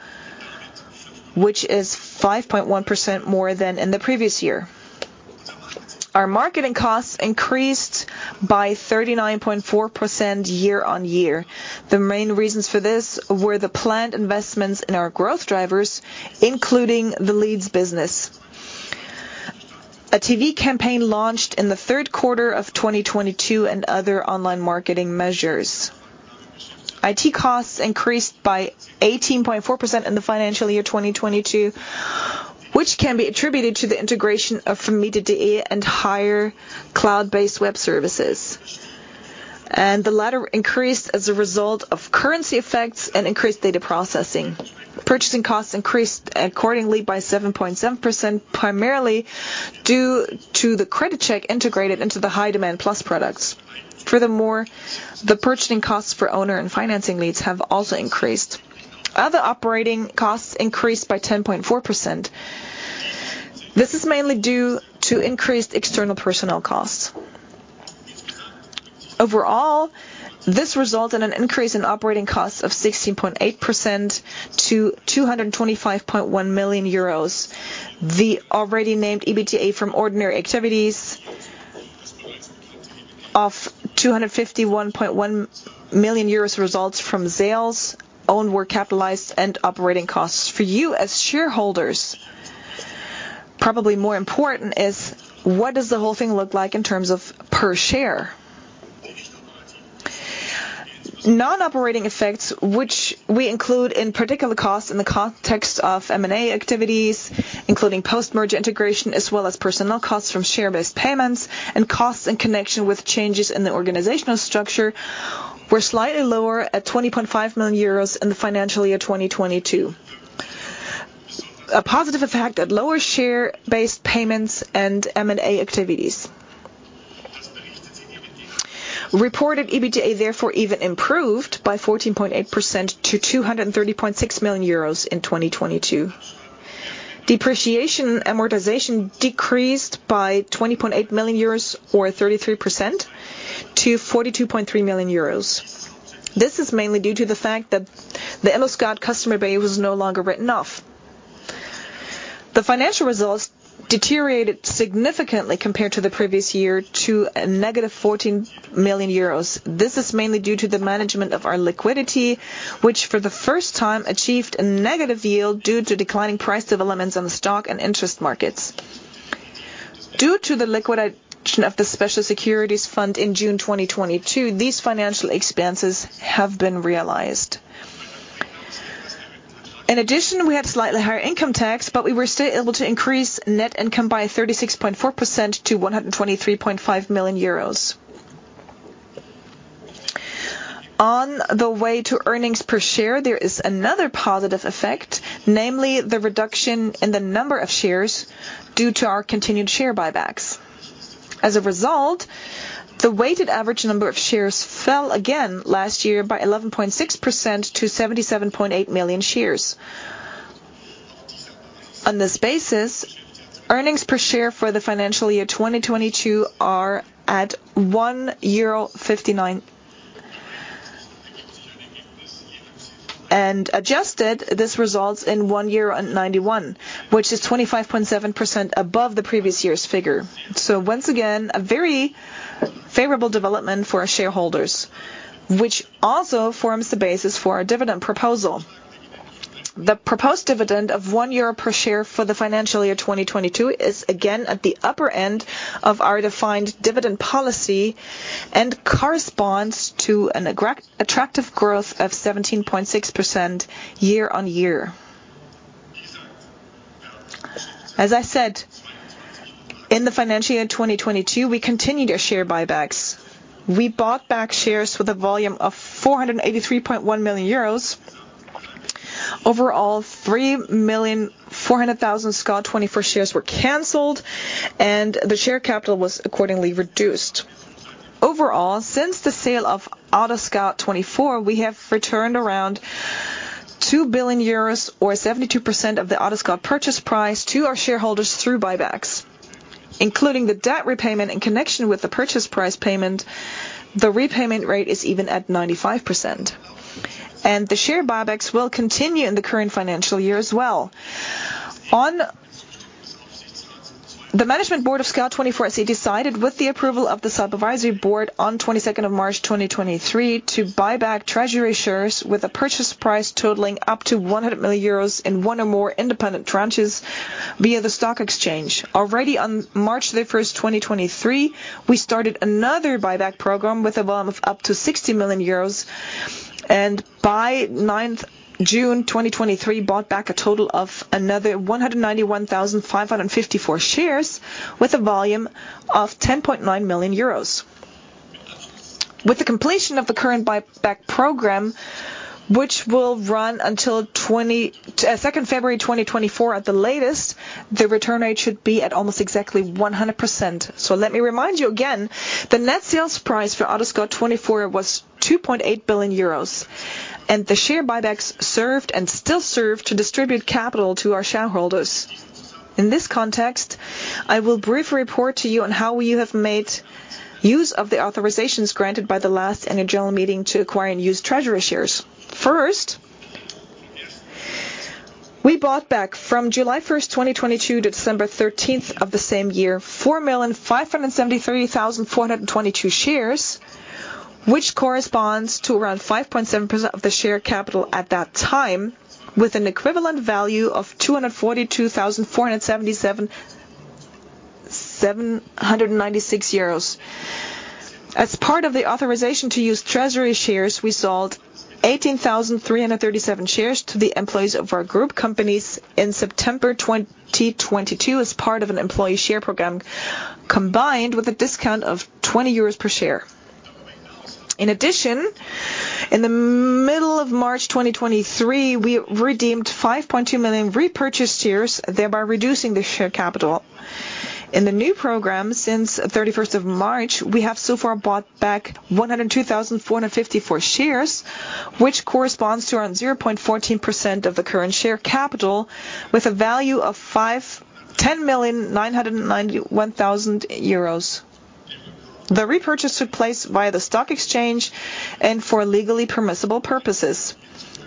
which is 5.1% more than in the previous year. Our marketing costs increased by 39.4% year-over-year. The main reasons for this were the planned investments in our growth drivers, including the leads business. A TV campaign launched in the third quarter of 2022 and other online marketing measures. IT costs increased by 18.4% in the financial year 2022, which can be attributed to the integration of from Vermiet and higher cloud-based web services, and the latter increased as a result of currency effects and increased data processing. Purchasing costs increased accordingly by 7.7%, primarily due to the credit check integrated into the high demand plus products. Furthermore, the purchasing costs for owner and financing leads have also increased. Other operating costs increased by 10.4%. This is mainly due to increased external personnel costs. Overall, this resulted in an increase in operating costs of 16.8% to 225.1 million euros. The already named EBITDA from ordinary activities of 251.1 million euros results from sales, own were capitalized and operating costs. For you as shareholders, probably more important is what does the whole thing look like in terms of per share? Non-operating effects, which we include, in particular, costs in the context of M&A activities, including post-merger integration, as well as personnel costs from share-based payments and costs in connection with changes in the organizational structure, were slightly lower at 20.5 million euros in the financial year 2022. A positive effect at lower share-based payments and M&A activities. Reported EBITDA even improved by 14.8% to 230.6 million euros in 2022. Depreciation amortization decreased by 20.8 million euros or 33% to 42.3 million euros. This is mainly due to the fact that the ImmoScout customer base was no longer written off. The financial results deteriorated significantly compared to the previous year, to a -14 million euros. This is mainly due to the management of our liquidity, which for the first time achieved a negative yield due to declining price developments on the stock and interest markets. Due to the liquidation of the special securities fund in June 2022, these financial expenses have been realized. We had slightly higher income tax, but we were still able to increase net income by 36.4% to 123.5 million euros. On the way to earnings per share, there is another positive effect, namely the reduction in the number of shares due to our continued share buybacks. As a result, the weighted average number of shares fell again last year by 11.6% to 77.8 million shares. On this basis, earnings per share for the financial year 2022 are at 1.59 euro. Adjusted, this results in 1.91, which is 25.7% above the previous year's figure. Once again, a very favorable development for our shareholders, which also forms the basis for our dividend proposal. The proposed dividend of 1 euro per share for the financial year 2022 is again at the upper end of our defined dividend policy and corresponds to an attractive growth of 17.6% year-on-year. As I said, in the financial year 2022, we continued our share buybacks. We bought back shares with a volume of 483.1 million euros. Overall, 3,400,000 Scout24 shares were canceled, and the share capital was accordingly reduced. Overall, since the sale of AutoScout24, we have returned around 2 billion euros or 72% of the AutoScout purchase price to our shareholders through buybacks, including the debt repayment in connection with the purchase price payment, the repayment rate is even at 95%, the share buybacks will continue in the current financial year as well. The Management Board of Scout24 SE decided, with the approval of the Supervisory Board on 22nd of March, 2023, to buy back treasury shares with a purchase price totaling up to 100 million euros in one or more independent tranches via the stock exchange. Already on March 1, 2023, we started another buyback program with a volume of up to 60 million euros. By June 9, 2023, bought back a total of another 191,554 shares with a volume of 10.9 million euros. With the completion of the current buyback program, which will run until February 22, 2024, at the latest, the return rate should be at almost exactly 100%. Let me remind you again, the net sales price for AutoScout24 was 2.8 billion euros. The share buybacks served and still serve to distribute capital to our shareholders. In this context, I will briefly report to you on how you have made use of the authorizations granted by the last annual general meeting to acquire and use treasury shares. We bought back from July 1, 2022 to December 13 of the same year, 4,573,422 shares, which corresponds to around 5.7% of the share capital at that time, with an equivalent value of 242,477,796 euros. As part of the authorization to use treasury shares, we sold 18,337 shares to the employees of our group companies in September 2022 as part of an employee share program, combined with a discount of 20 euros per share. In addition, in the middle of March 2023, we redeemed 5.2 million repurchased shares, thereby reducing the share capital. In the new program, since 31st of March, we have so far bought back 102,454 shares, which corresponds to around 0.14% of the current share capital, with a value of 10,991,000 euros. The repurchase took place via the stock exchange and for legally permissible purposes.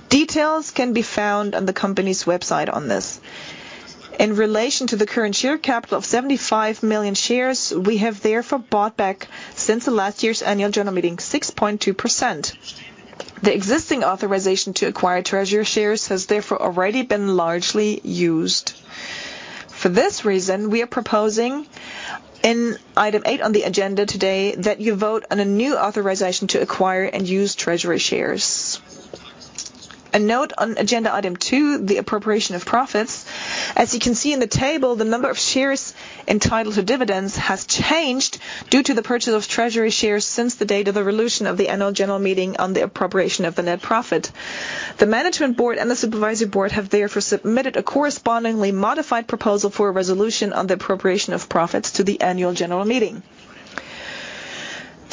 Details can be found on the company's website on this. In relation to the current share capital of 75 million shares, we have therefore bought back, since the last year's annual general meeting, 6.2%. The existing authorization to acquire treasury shares has therefore already been largely used. For this reason, we are proposing in item eight on the agenda today, that you vote on a new authorization to acquire and use treasury shares. A note on agenda item two, the appropriation of profits. As you can see in the table, the number of shares entitled to dividends has changed due to the purchase of treasury shares since the date of the resolution of the annual general Meeting on the appropriation of the net profit. The Management Board and the Supervisory Board have therefore submitted a correspondingly modified proposal for a resolution on the appropriation of profits to the annual general meeting.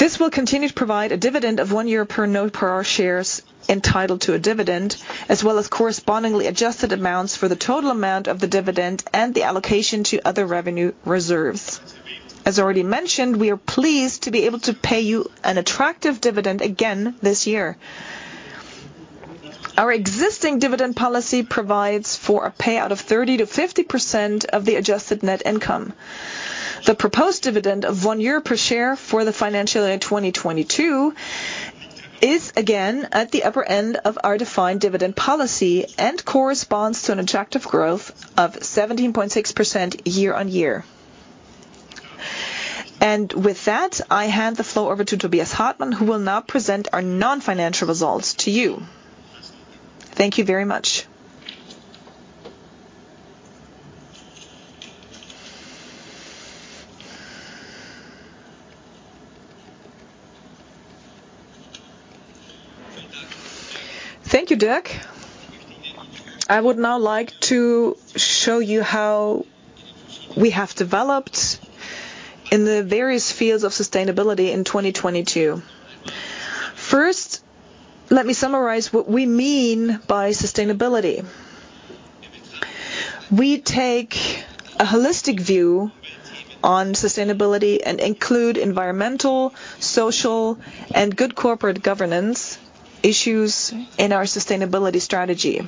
This will continue to provide a dividend of 1 euro per no par shares entitled to a dividend, as well as correspondingly adjusted amounts for the total amount of the dividend and the allocation to other revenue reserves. As already mentioned, we are pleased to be able to pay you an attractive dividend again this year. Our existing dividend policy provides for a payout of 30% to 50% of the adjusted net income. The proposed dividend of one year per share for the financial year 2022 is again at the upper end of our defined dividend policy and corresponds to an attractive growth of 17.6% year-on-year. With that, I hand the floor over to Tobias Hartmann, who will now present our non-financial results to you. Thank you very much. Thank you, Dirk. I would now like to show you how we have developed in the various fields of sustainability in 2022. First, let me summarize what we mean by sustainability. We take a holistic view on sustainability and include environmental, social, and good corporate governance issues in our sustainability strategy.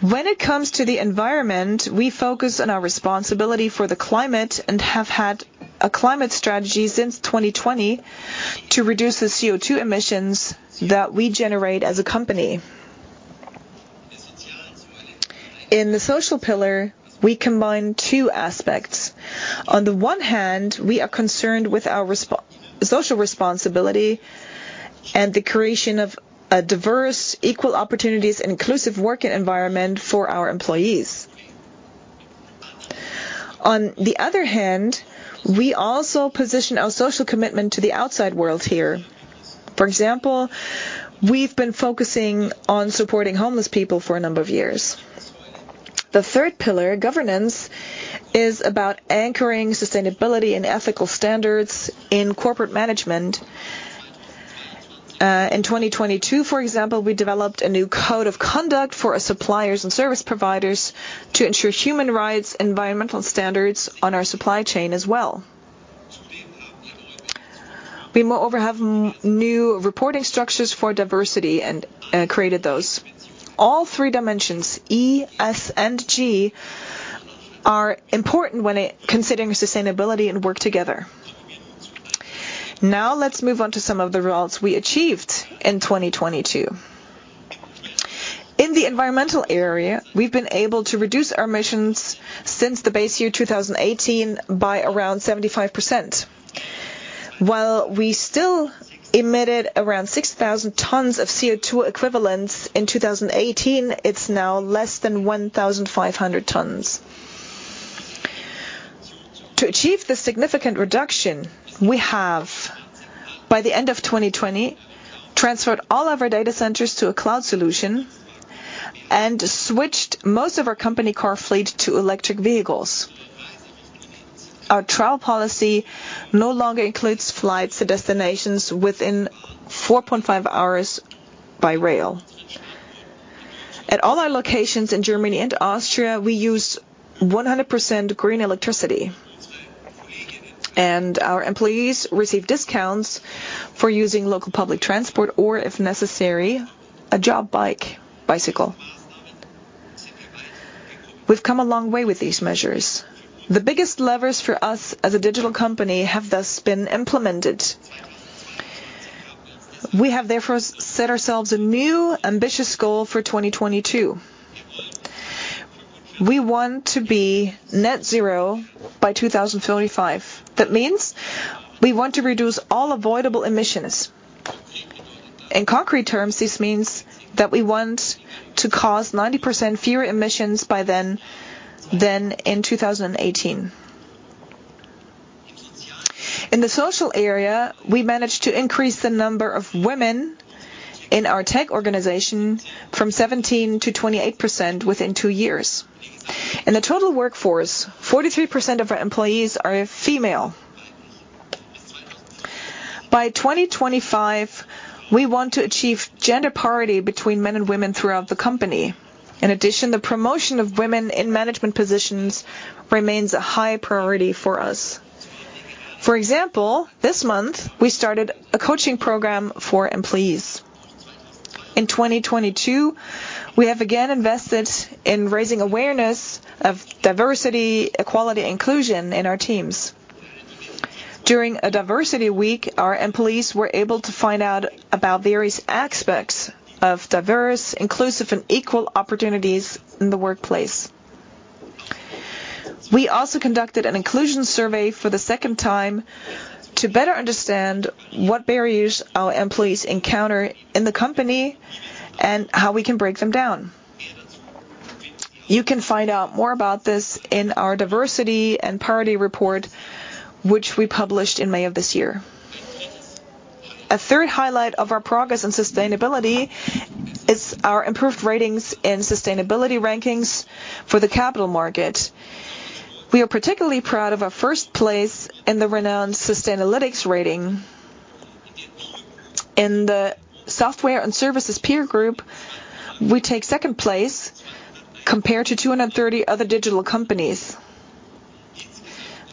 When it comes to the environment, we focus on our responsibility for the climate and have had a climate strategy since 2020 to reduce the CO2 emissions that we generate as a company. In the social pillar, we combine two aspects. On the one hand, we are concerned with our social responsibility and the creation of a diverse, equal opportunities, and inclusive working environment for our employees. On the other hand, we also position our social commitment to the outside world here. For example, we've been focusing on supporting homeless people for a number of years. The third pillar, governance, is about anchoring sustainability and ethical standards in corporate management. In 2022, for example, we developed a new code of conduct for our suppliers and service providers to ensure human rights, environmental standards on our supply chain as well. We moreover, have new reporting structures for diversity and created those. All three dimensions, E, S, and G, are important when considering sustainability and work together. Let's move on to some of the results we achieved in 2022. In the environmental area, we've been able to reduce our emissions since the base year 2018, by around 75%. While we still emitted around 6,000 tons of CO2 equivalents in 2018, it's now less than 1,500 tons. To achieve this significant reduction, we have, by the end of 2020, transferred all of our data centers to a cloud solution and switched most of our company car fleet to electric vehicles. Our travel policy no longer includes flights to destinations within 4.5 hours by rail. At all our locations in Germany and Austria, we use 100% green electricity. Our employees receive discounts for using local public transport, or if necessary, a job bike, bicycle. We've come a long way with these measures. The biggest levers for us as a digital company have thus been implemented. We have therefore set ourselves a new ambitious goal for 2022. We want to be net zero by 2035. That means we want to reduce all avoidable emissions. In concrete terms, this means that we want to cause 90% fewer emissions by then than in 2018. In the social area, we managed to increase the number of women in our tech organization from 17% to 28% within two years. In the total workforce, 43% of our employees are female. By 2025, we want to achieve gender parity between men and women throughout the company. In addition, the promotion of women in management positions remains a high priority for us. For example, this month, we started a coaching program for employees. In 2022, we have again invested in raising awareness of diversity, equality, and inclusion in our teams. During a diversity week, our employees were able to find out about various aspects of diverse, inclusive, and equal opportunities in the workplace. We also conducted an inclusion survey for the second time to better understand what barriers our employees encounter in the company and how we can break them down. You can find out more about this in our diversity and parity report, which we published in May of this year. A third highlight of our progress and sustainability is our improved ratings and sustainability rankings for the capital market. We are particularly proud of our first place in the renowned Sustainalytics rating. In the software and services peer group, we take second place compared to 230 other digital companies.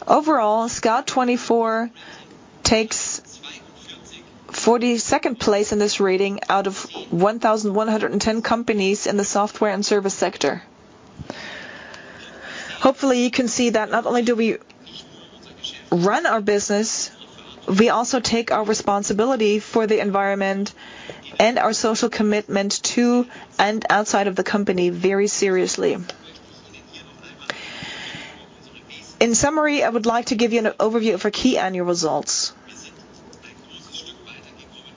Overall, Scout24 takes 42nd place in this rating out of 1,110 companies in the software and service sector. Hopefully, you can see that not only do we run our business, we also take our responsibility for the environment and our social commitment to and outside of the company very seriously. In summary, I would like to give you an overview of our key annual results.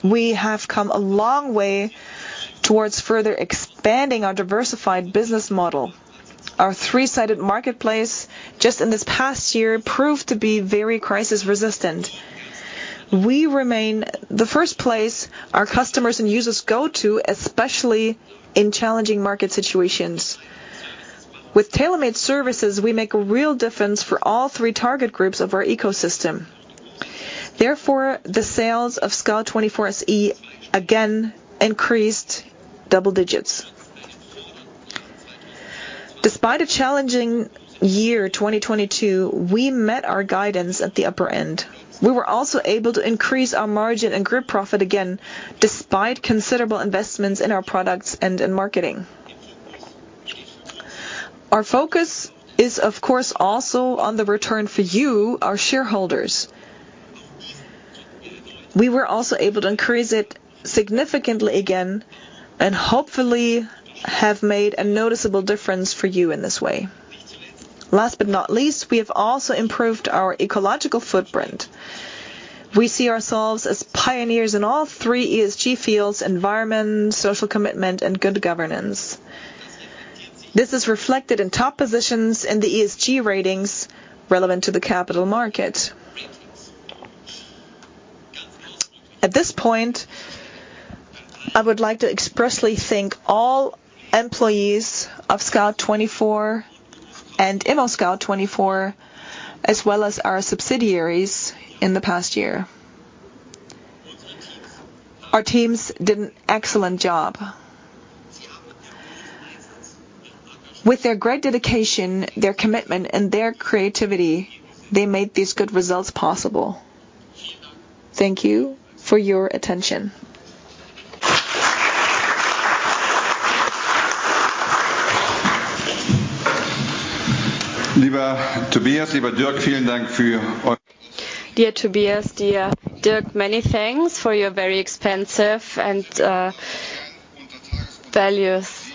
We have come a long way towards further expanding our diversified business model. Our three-sided marketplace, just in this past year, proved to be very crisis resistant. We remain the first place our customers and users go to, especially in challenging market situations. With tailor-made services, we make a real difference for all three target groups of our ecosystem. The sales of Scout24 SE again increased double digits. Despite a challenging year, 2022, we met our guidance at the upper end. We were also able to increase our margin and group profit again, despite considerable investments in our products and in marketing. Our focus is, of course, also on the return for you, our shareholders. We were also able to increase it significantly again and hopefully have made a noticeable difference for you in this way. Last but not least, we have also improved our ecological footprint. We see ourselves as pioneers in all three ESG fields: environment, social commitment, and good governance. This is reflected in top positions in the ESG ratings relevant to the capital market. At this point, I would like to expressly thank all employees of Scout24 and ImmoScout24, as well as our subsidiaries in the past year. Our teams did an excellent job. With their great dedication, their commitment, and their creativity, they made these good results possible. Thank you for your attention. Dear Tobias, Dear Dirk, many thanks for your very expansive and values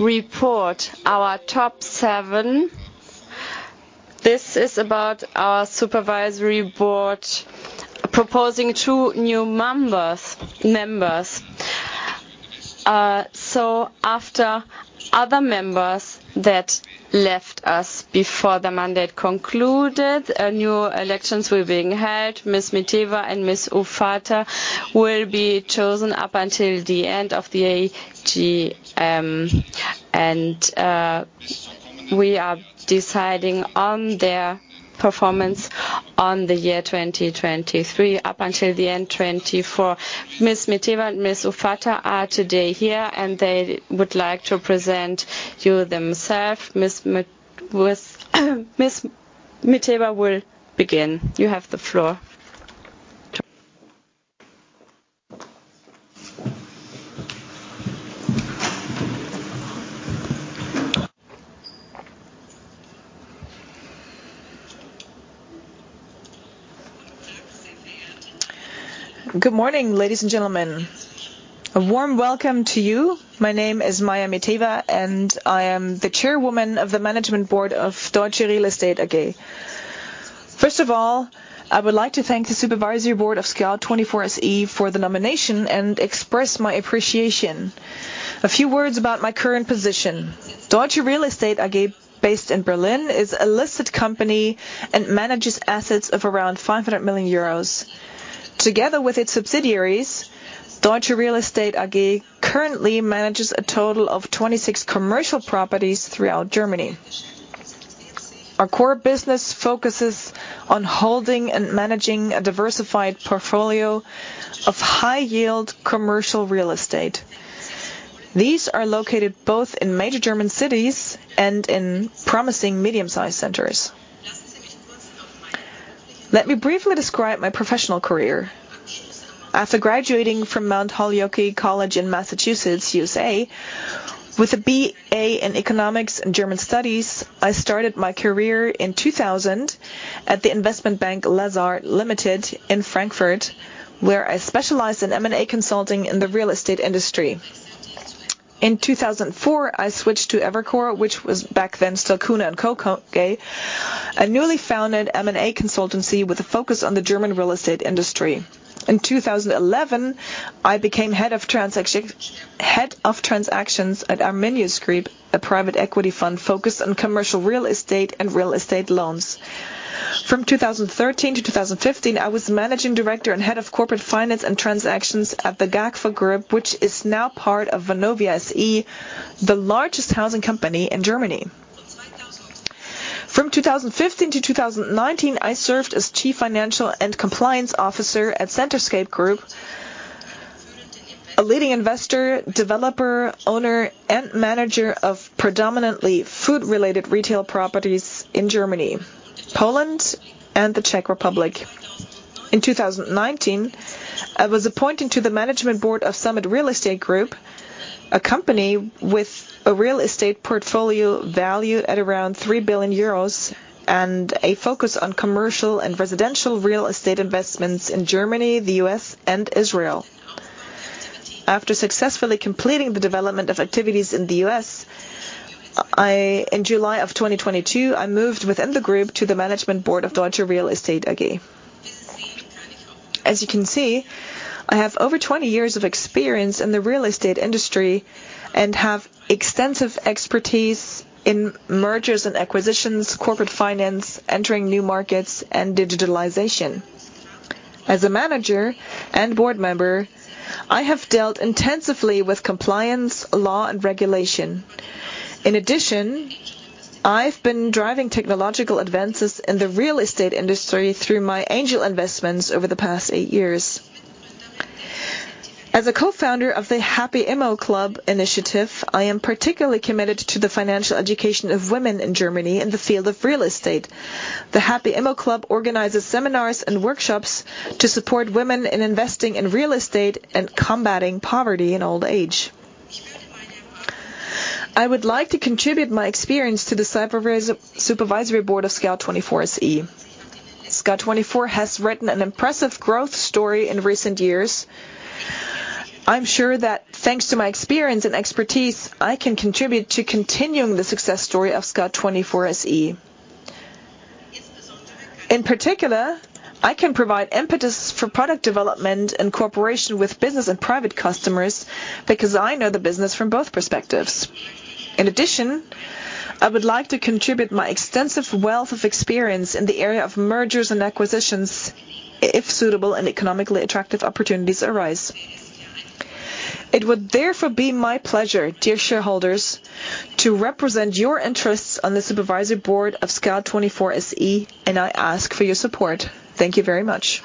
report. Our top seven, this is about our Supervisory Board proposing two new members. After other members that left us before the mandate concluded, new elections were being held. Ms. Miteva and Ms. Ouffata will be chosen up until the end of the AG, and we are deciding on their performance on the year 2023, up until the end, 2024. Ms. Miteva and Ms. Ouffata are today here, and they would like to present you themselves. Ms. Miteva will begin. You have the floor. Good morning, ladies and gentlemen. A warm welcome to you. My name is Maya Miteva, and I am the Chairwoman of the Management Board of Deutsche Real Estate AG. First of all, I would like to thank the Supervisory Board of Scout24 SE for the nomination and express my appreciation. A few words about my current position: Deutsche Real Estate AG, based in Berlin, is a listed company and manages assets of around 500 million euros. Together with its subsidiaries, Deutsche Real Estate AG currently manages a total of 26 commercial properties throughout Germany. Our core business focuses on holding and managing a diversified portfolio of high-yield commercial real estate. These are located both in major German cities and in promising medium-sized centers. Let me briefly describe my professional career. After graduating from Mount Holyoke College in Massachusetts, U.S.A., with a BA in Economics and German Studies, I started my career in 2000 at the investment bank Lazard Limited in Frankfurt, where I specialized in M&A consulting in the real estate industry. In 2004, I switched to Evercore, which was back then still Kuhn and Co., a newly founded M&A consultancy with a focus on the German real estate industry. In 2011, I became Head of Transactions at Arminius Group, a private equity fund focused on commercial real estate and real estate loans. From 2013 to 2015, I was Managing Director and Head of Corporate Finance and Transactions at the GAGFAH Group, which is now part of Vonovia SE, the largest housing company in Germany. From 2015 to 2019, I served as Chief Financial and Compliance Officer at Centerscape Group, a leading investor, developer, owner, and manager of predominantly food-related retail properties in Germany, Poland, and the Czech Republic. In 2019, I was appointed to the Management Board of Summit Real Estate Group, a company with a real estate portfolio valued at around 3 billion euros and a focus on commercial and residential real estate investments in Germany, the U.S., and Israel. After successfully completing the development of activities in the U.S., In July of 2022, I moved within the group to the Management Board of Deutsche Real Estate AG. As you can see, I have over 20 years of experience in the real estate industry and have extensive expertise in mergers and acquisitions, corporate finance, entering new markets, and digitalization. As a manager and board member, I have dealt intensively with compliance, law, and regulation. In addition, I've been driving technological advances in the real estate industry through my angel investments over the past eight years. As a co-founder of the Happy Immo Club initiative, I am particularly committed to the financial education of women in Germany in the field of real estate. The Happy Immo Club organizes seminars and workshops to support women in investing in real estate and combating poverty in old age. I would like to contribute my experience to the Supervisory Board of Scout24 SE. Scout24 has written an impressive growth story in recent years. I'm sure that thanks to my experience and expertise, I can contribute to continuing the success story of Scout24 SE. In particular, I can provide impetus for product development and cooperation with business and private customers because I know the business from both perspectives. In addition, I would like to contribute my extensive wealth of experience in the area of mergers and acquisitions if suitable and economically attractive opportunities arise. It would therefore be my pleasure, dear shareholders, to represent your interests on the Supervisory Board of Scout24 SE. I ask for your support. Thank you very much.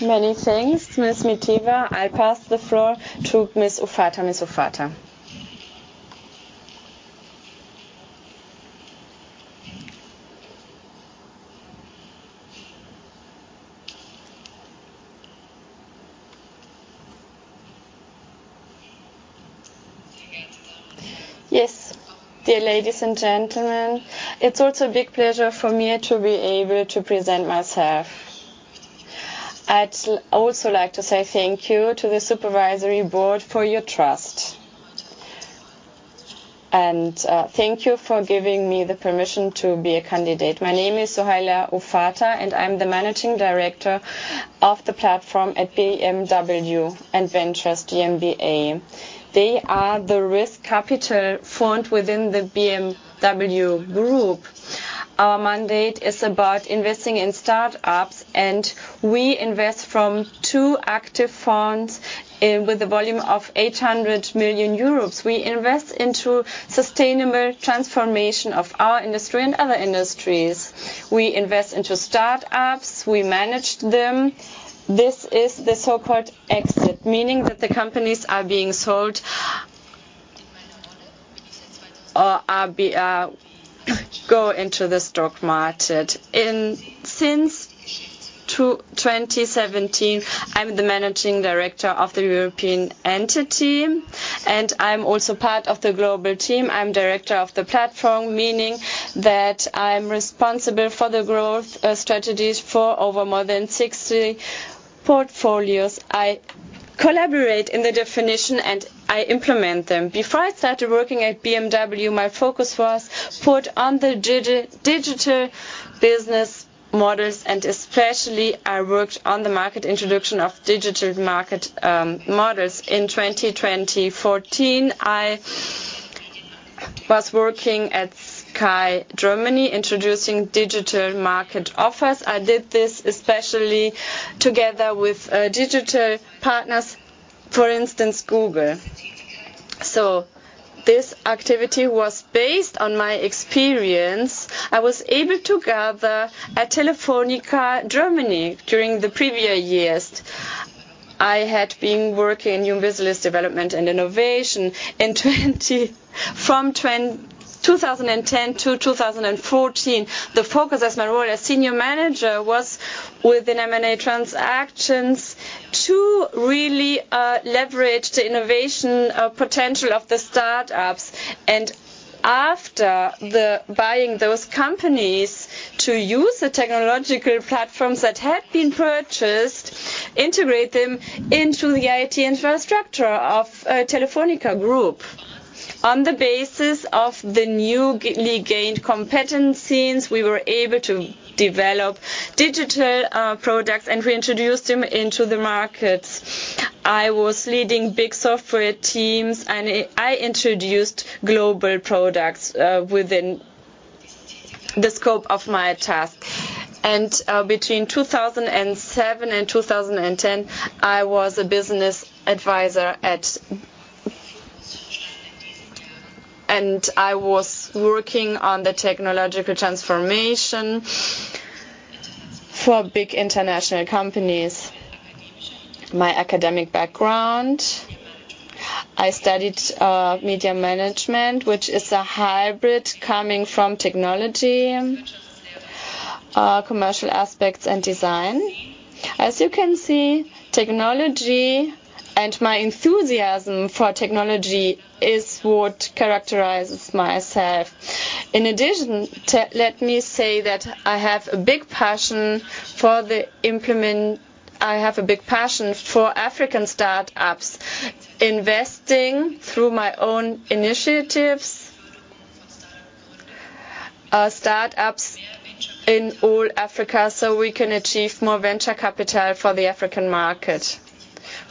Many thanks, Ms. Maya Miteva. I pass the floor to Ms. Ouffata. Ms. Ouffata? Dear ladies and gentlemen, it's also a big pleasure for me to be able to present myself. I'd also like to say thank you to the Supervisory Board for your trust. Thank you for giving me the permission to be a candidate. My name is Sohaila Ouffata, and I'm the Managing Director of the platform at BMW i Ventures GmbH. They are the risk capital fund within the BMW Group. Our mandate is about investing in startups, we invest from two active funds with a volume of 800 million euros. We invest into sustainable transformation of our industry and other industries. We invest into startups. We manage them. This is the so-called exit, meaning that the companies are being sold, go into the stock market. Since 2017, I'm the Managing director of the European entity, and I'm also part of the global team. I'm director of the platform, meaning that I'm responsible for the growth strategies for over more than 60 portfolios. I collaborate in the definition, and I implement them. Before I started working at BMW, my focus was put on the digital business models, and especially I worked on the market introduction of digital market models. In 2014, I was working at Sky Deutschland, introducing digital market offers. I did this especially together with digital partners, for instance, Google. This activity was based on my experience I was able to gather at Telefónica Germany during the previous years. I had been working in new business development and innovation from 2010 to 2014. The focus as my role as senior manager was within M&A transactions to really leverage the innovation potential of the startups, and after buying those companies, to use the technological platforms that had been purchased, integrate them into the IT infrastructure of Telefónica Group. On the basis of the newly gained competencies, we were able to develop digital products, and we introduced them into the markets. I was leading big software teams, and I introduced global products within the scope of my task. Between 2007 and 2010, I was a business advisor at... I was working on the technological transformation for big international companies. My academic background, I studied media management, which is a hybrid coming from technology, commercial aspects, and design. As you can see, technology and my enthusiasm for technology is what characterizes myself. In addition, I have a big passion for African start-ups, investing through my own initiatives, start-ups in all Africa, so we can achieve more venture capital for the African market.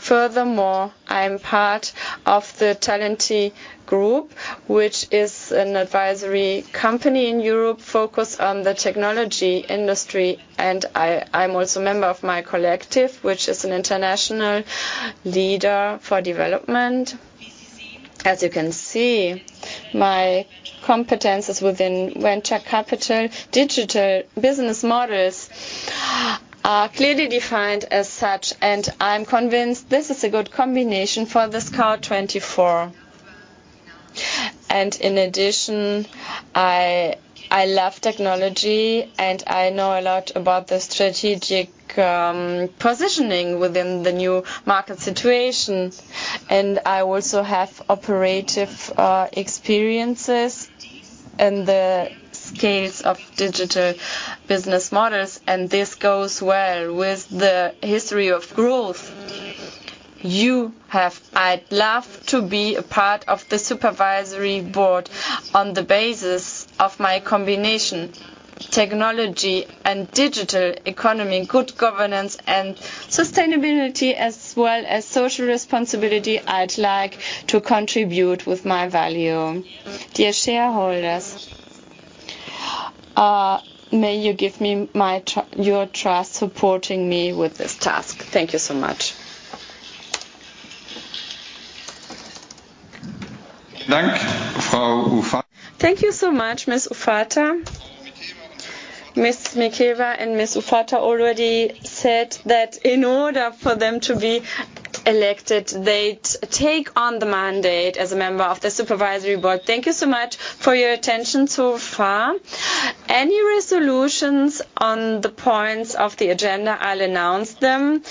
Furthermore, I am part of the Talentiv Group, which is an advisory company in Europe, focused on the technology industry, and I'm also a member of My Collective, which is an international leader for development. As you can see, my competencies within venture capital, digital business models are clearly defined as such, and I'm convinced this is a good combination for the Scout24. In addition, I love technology, I know a lot about the strategic positioning within the new market situation, I also have operative experiences in the scales of digital business models, this goes well with the history of growth. I'd love to be a part of the Supervisory Board on the basis of my combination: technology and digital economy, good governance, and sustainability, as well as social responsibility. I'd like to contribute with my value. Dear shareholders, may you give me your trust, supporting me with this task. Thank you so much. Thank you so much, Ms. Ouffata. Ms. Miteva and Ms. Ouffata already said that in order for them to be elected, they'd take on the mandate as a member of the Supervisory Board. Thank you so much for your attention so far. Any resolutions on the points of the agenda, I'll announce them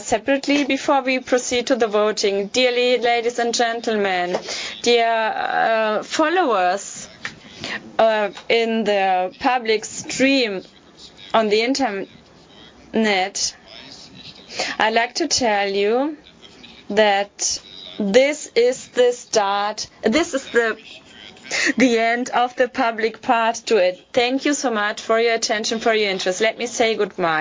separately before we proceed to the voting. Dearly ladies and gentlemen, dear followers, in the public stream on the internet, I'd like to tell you that this is the end of the public part to it. Thank you so much for your attention, for your interest. Let me say goodbye.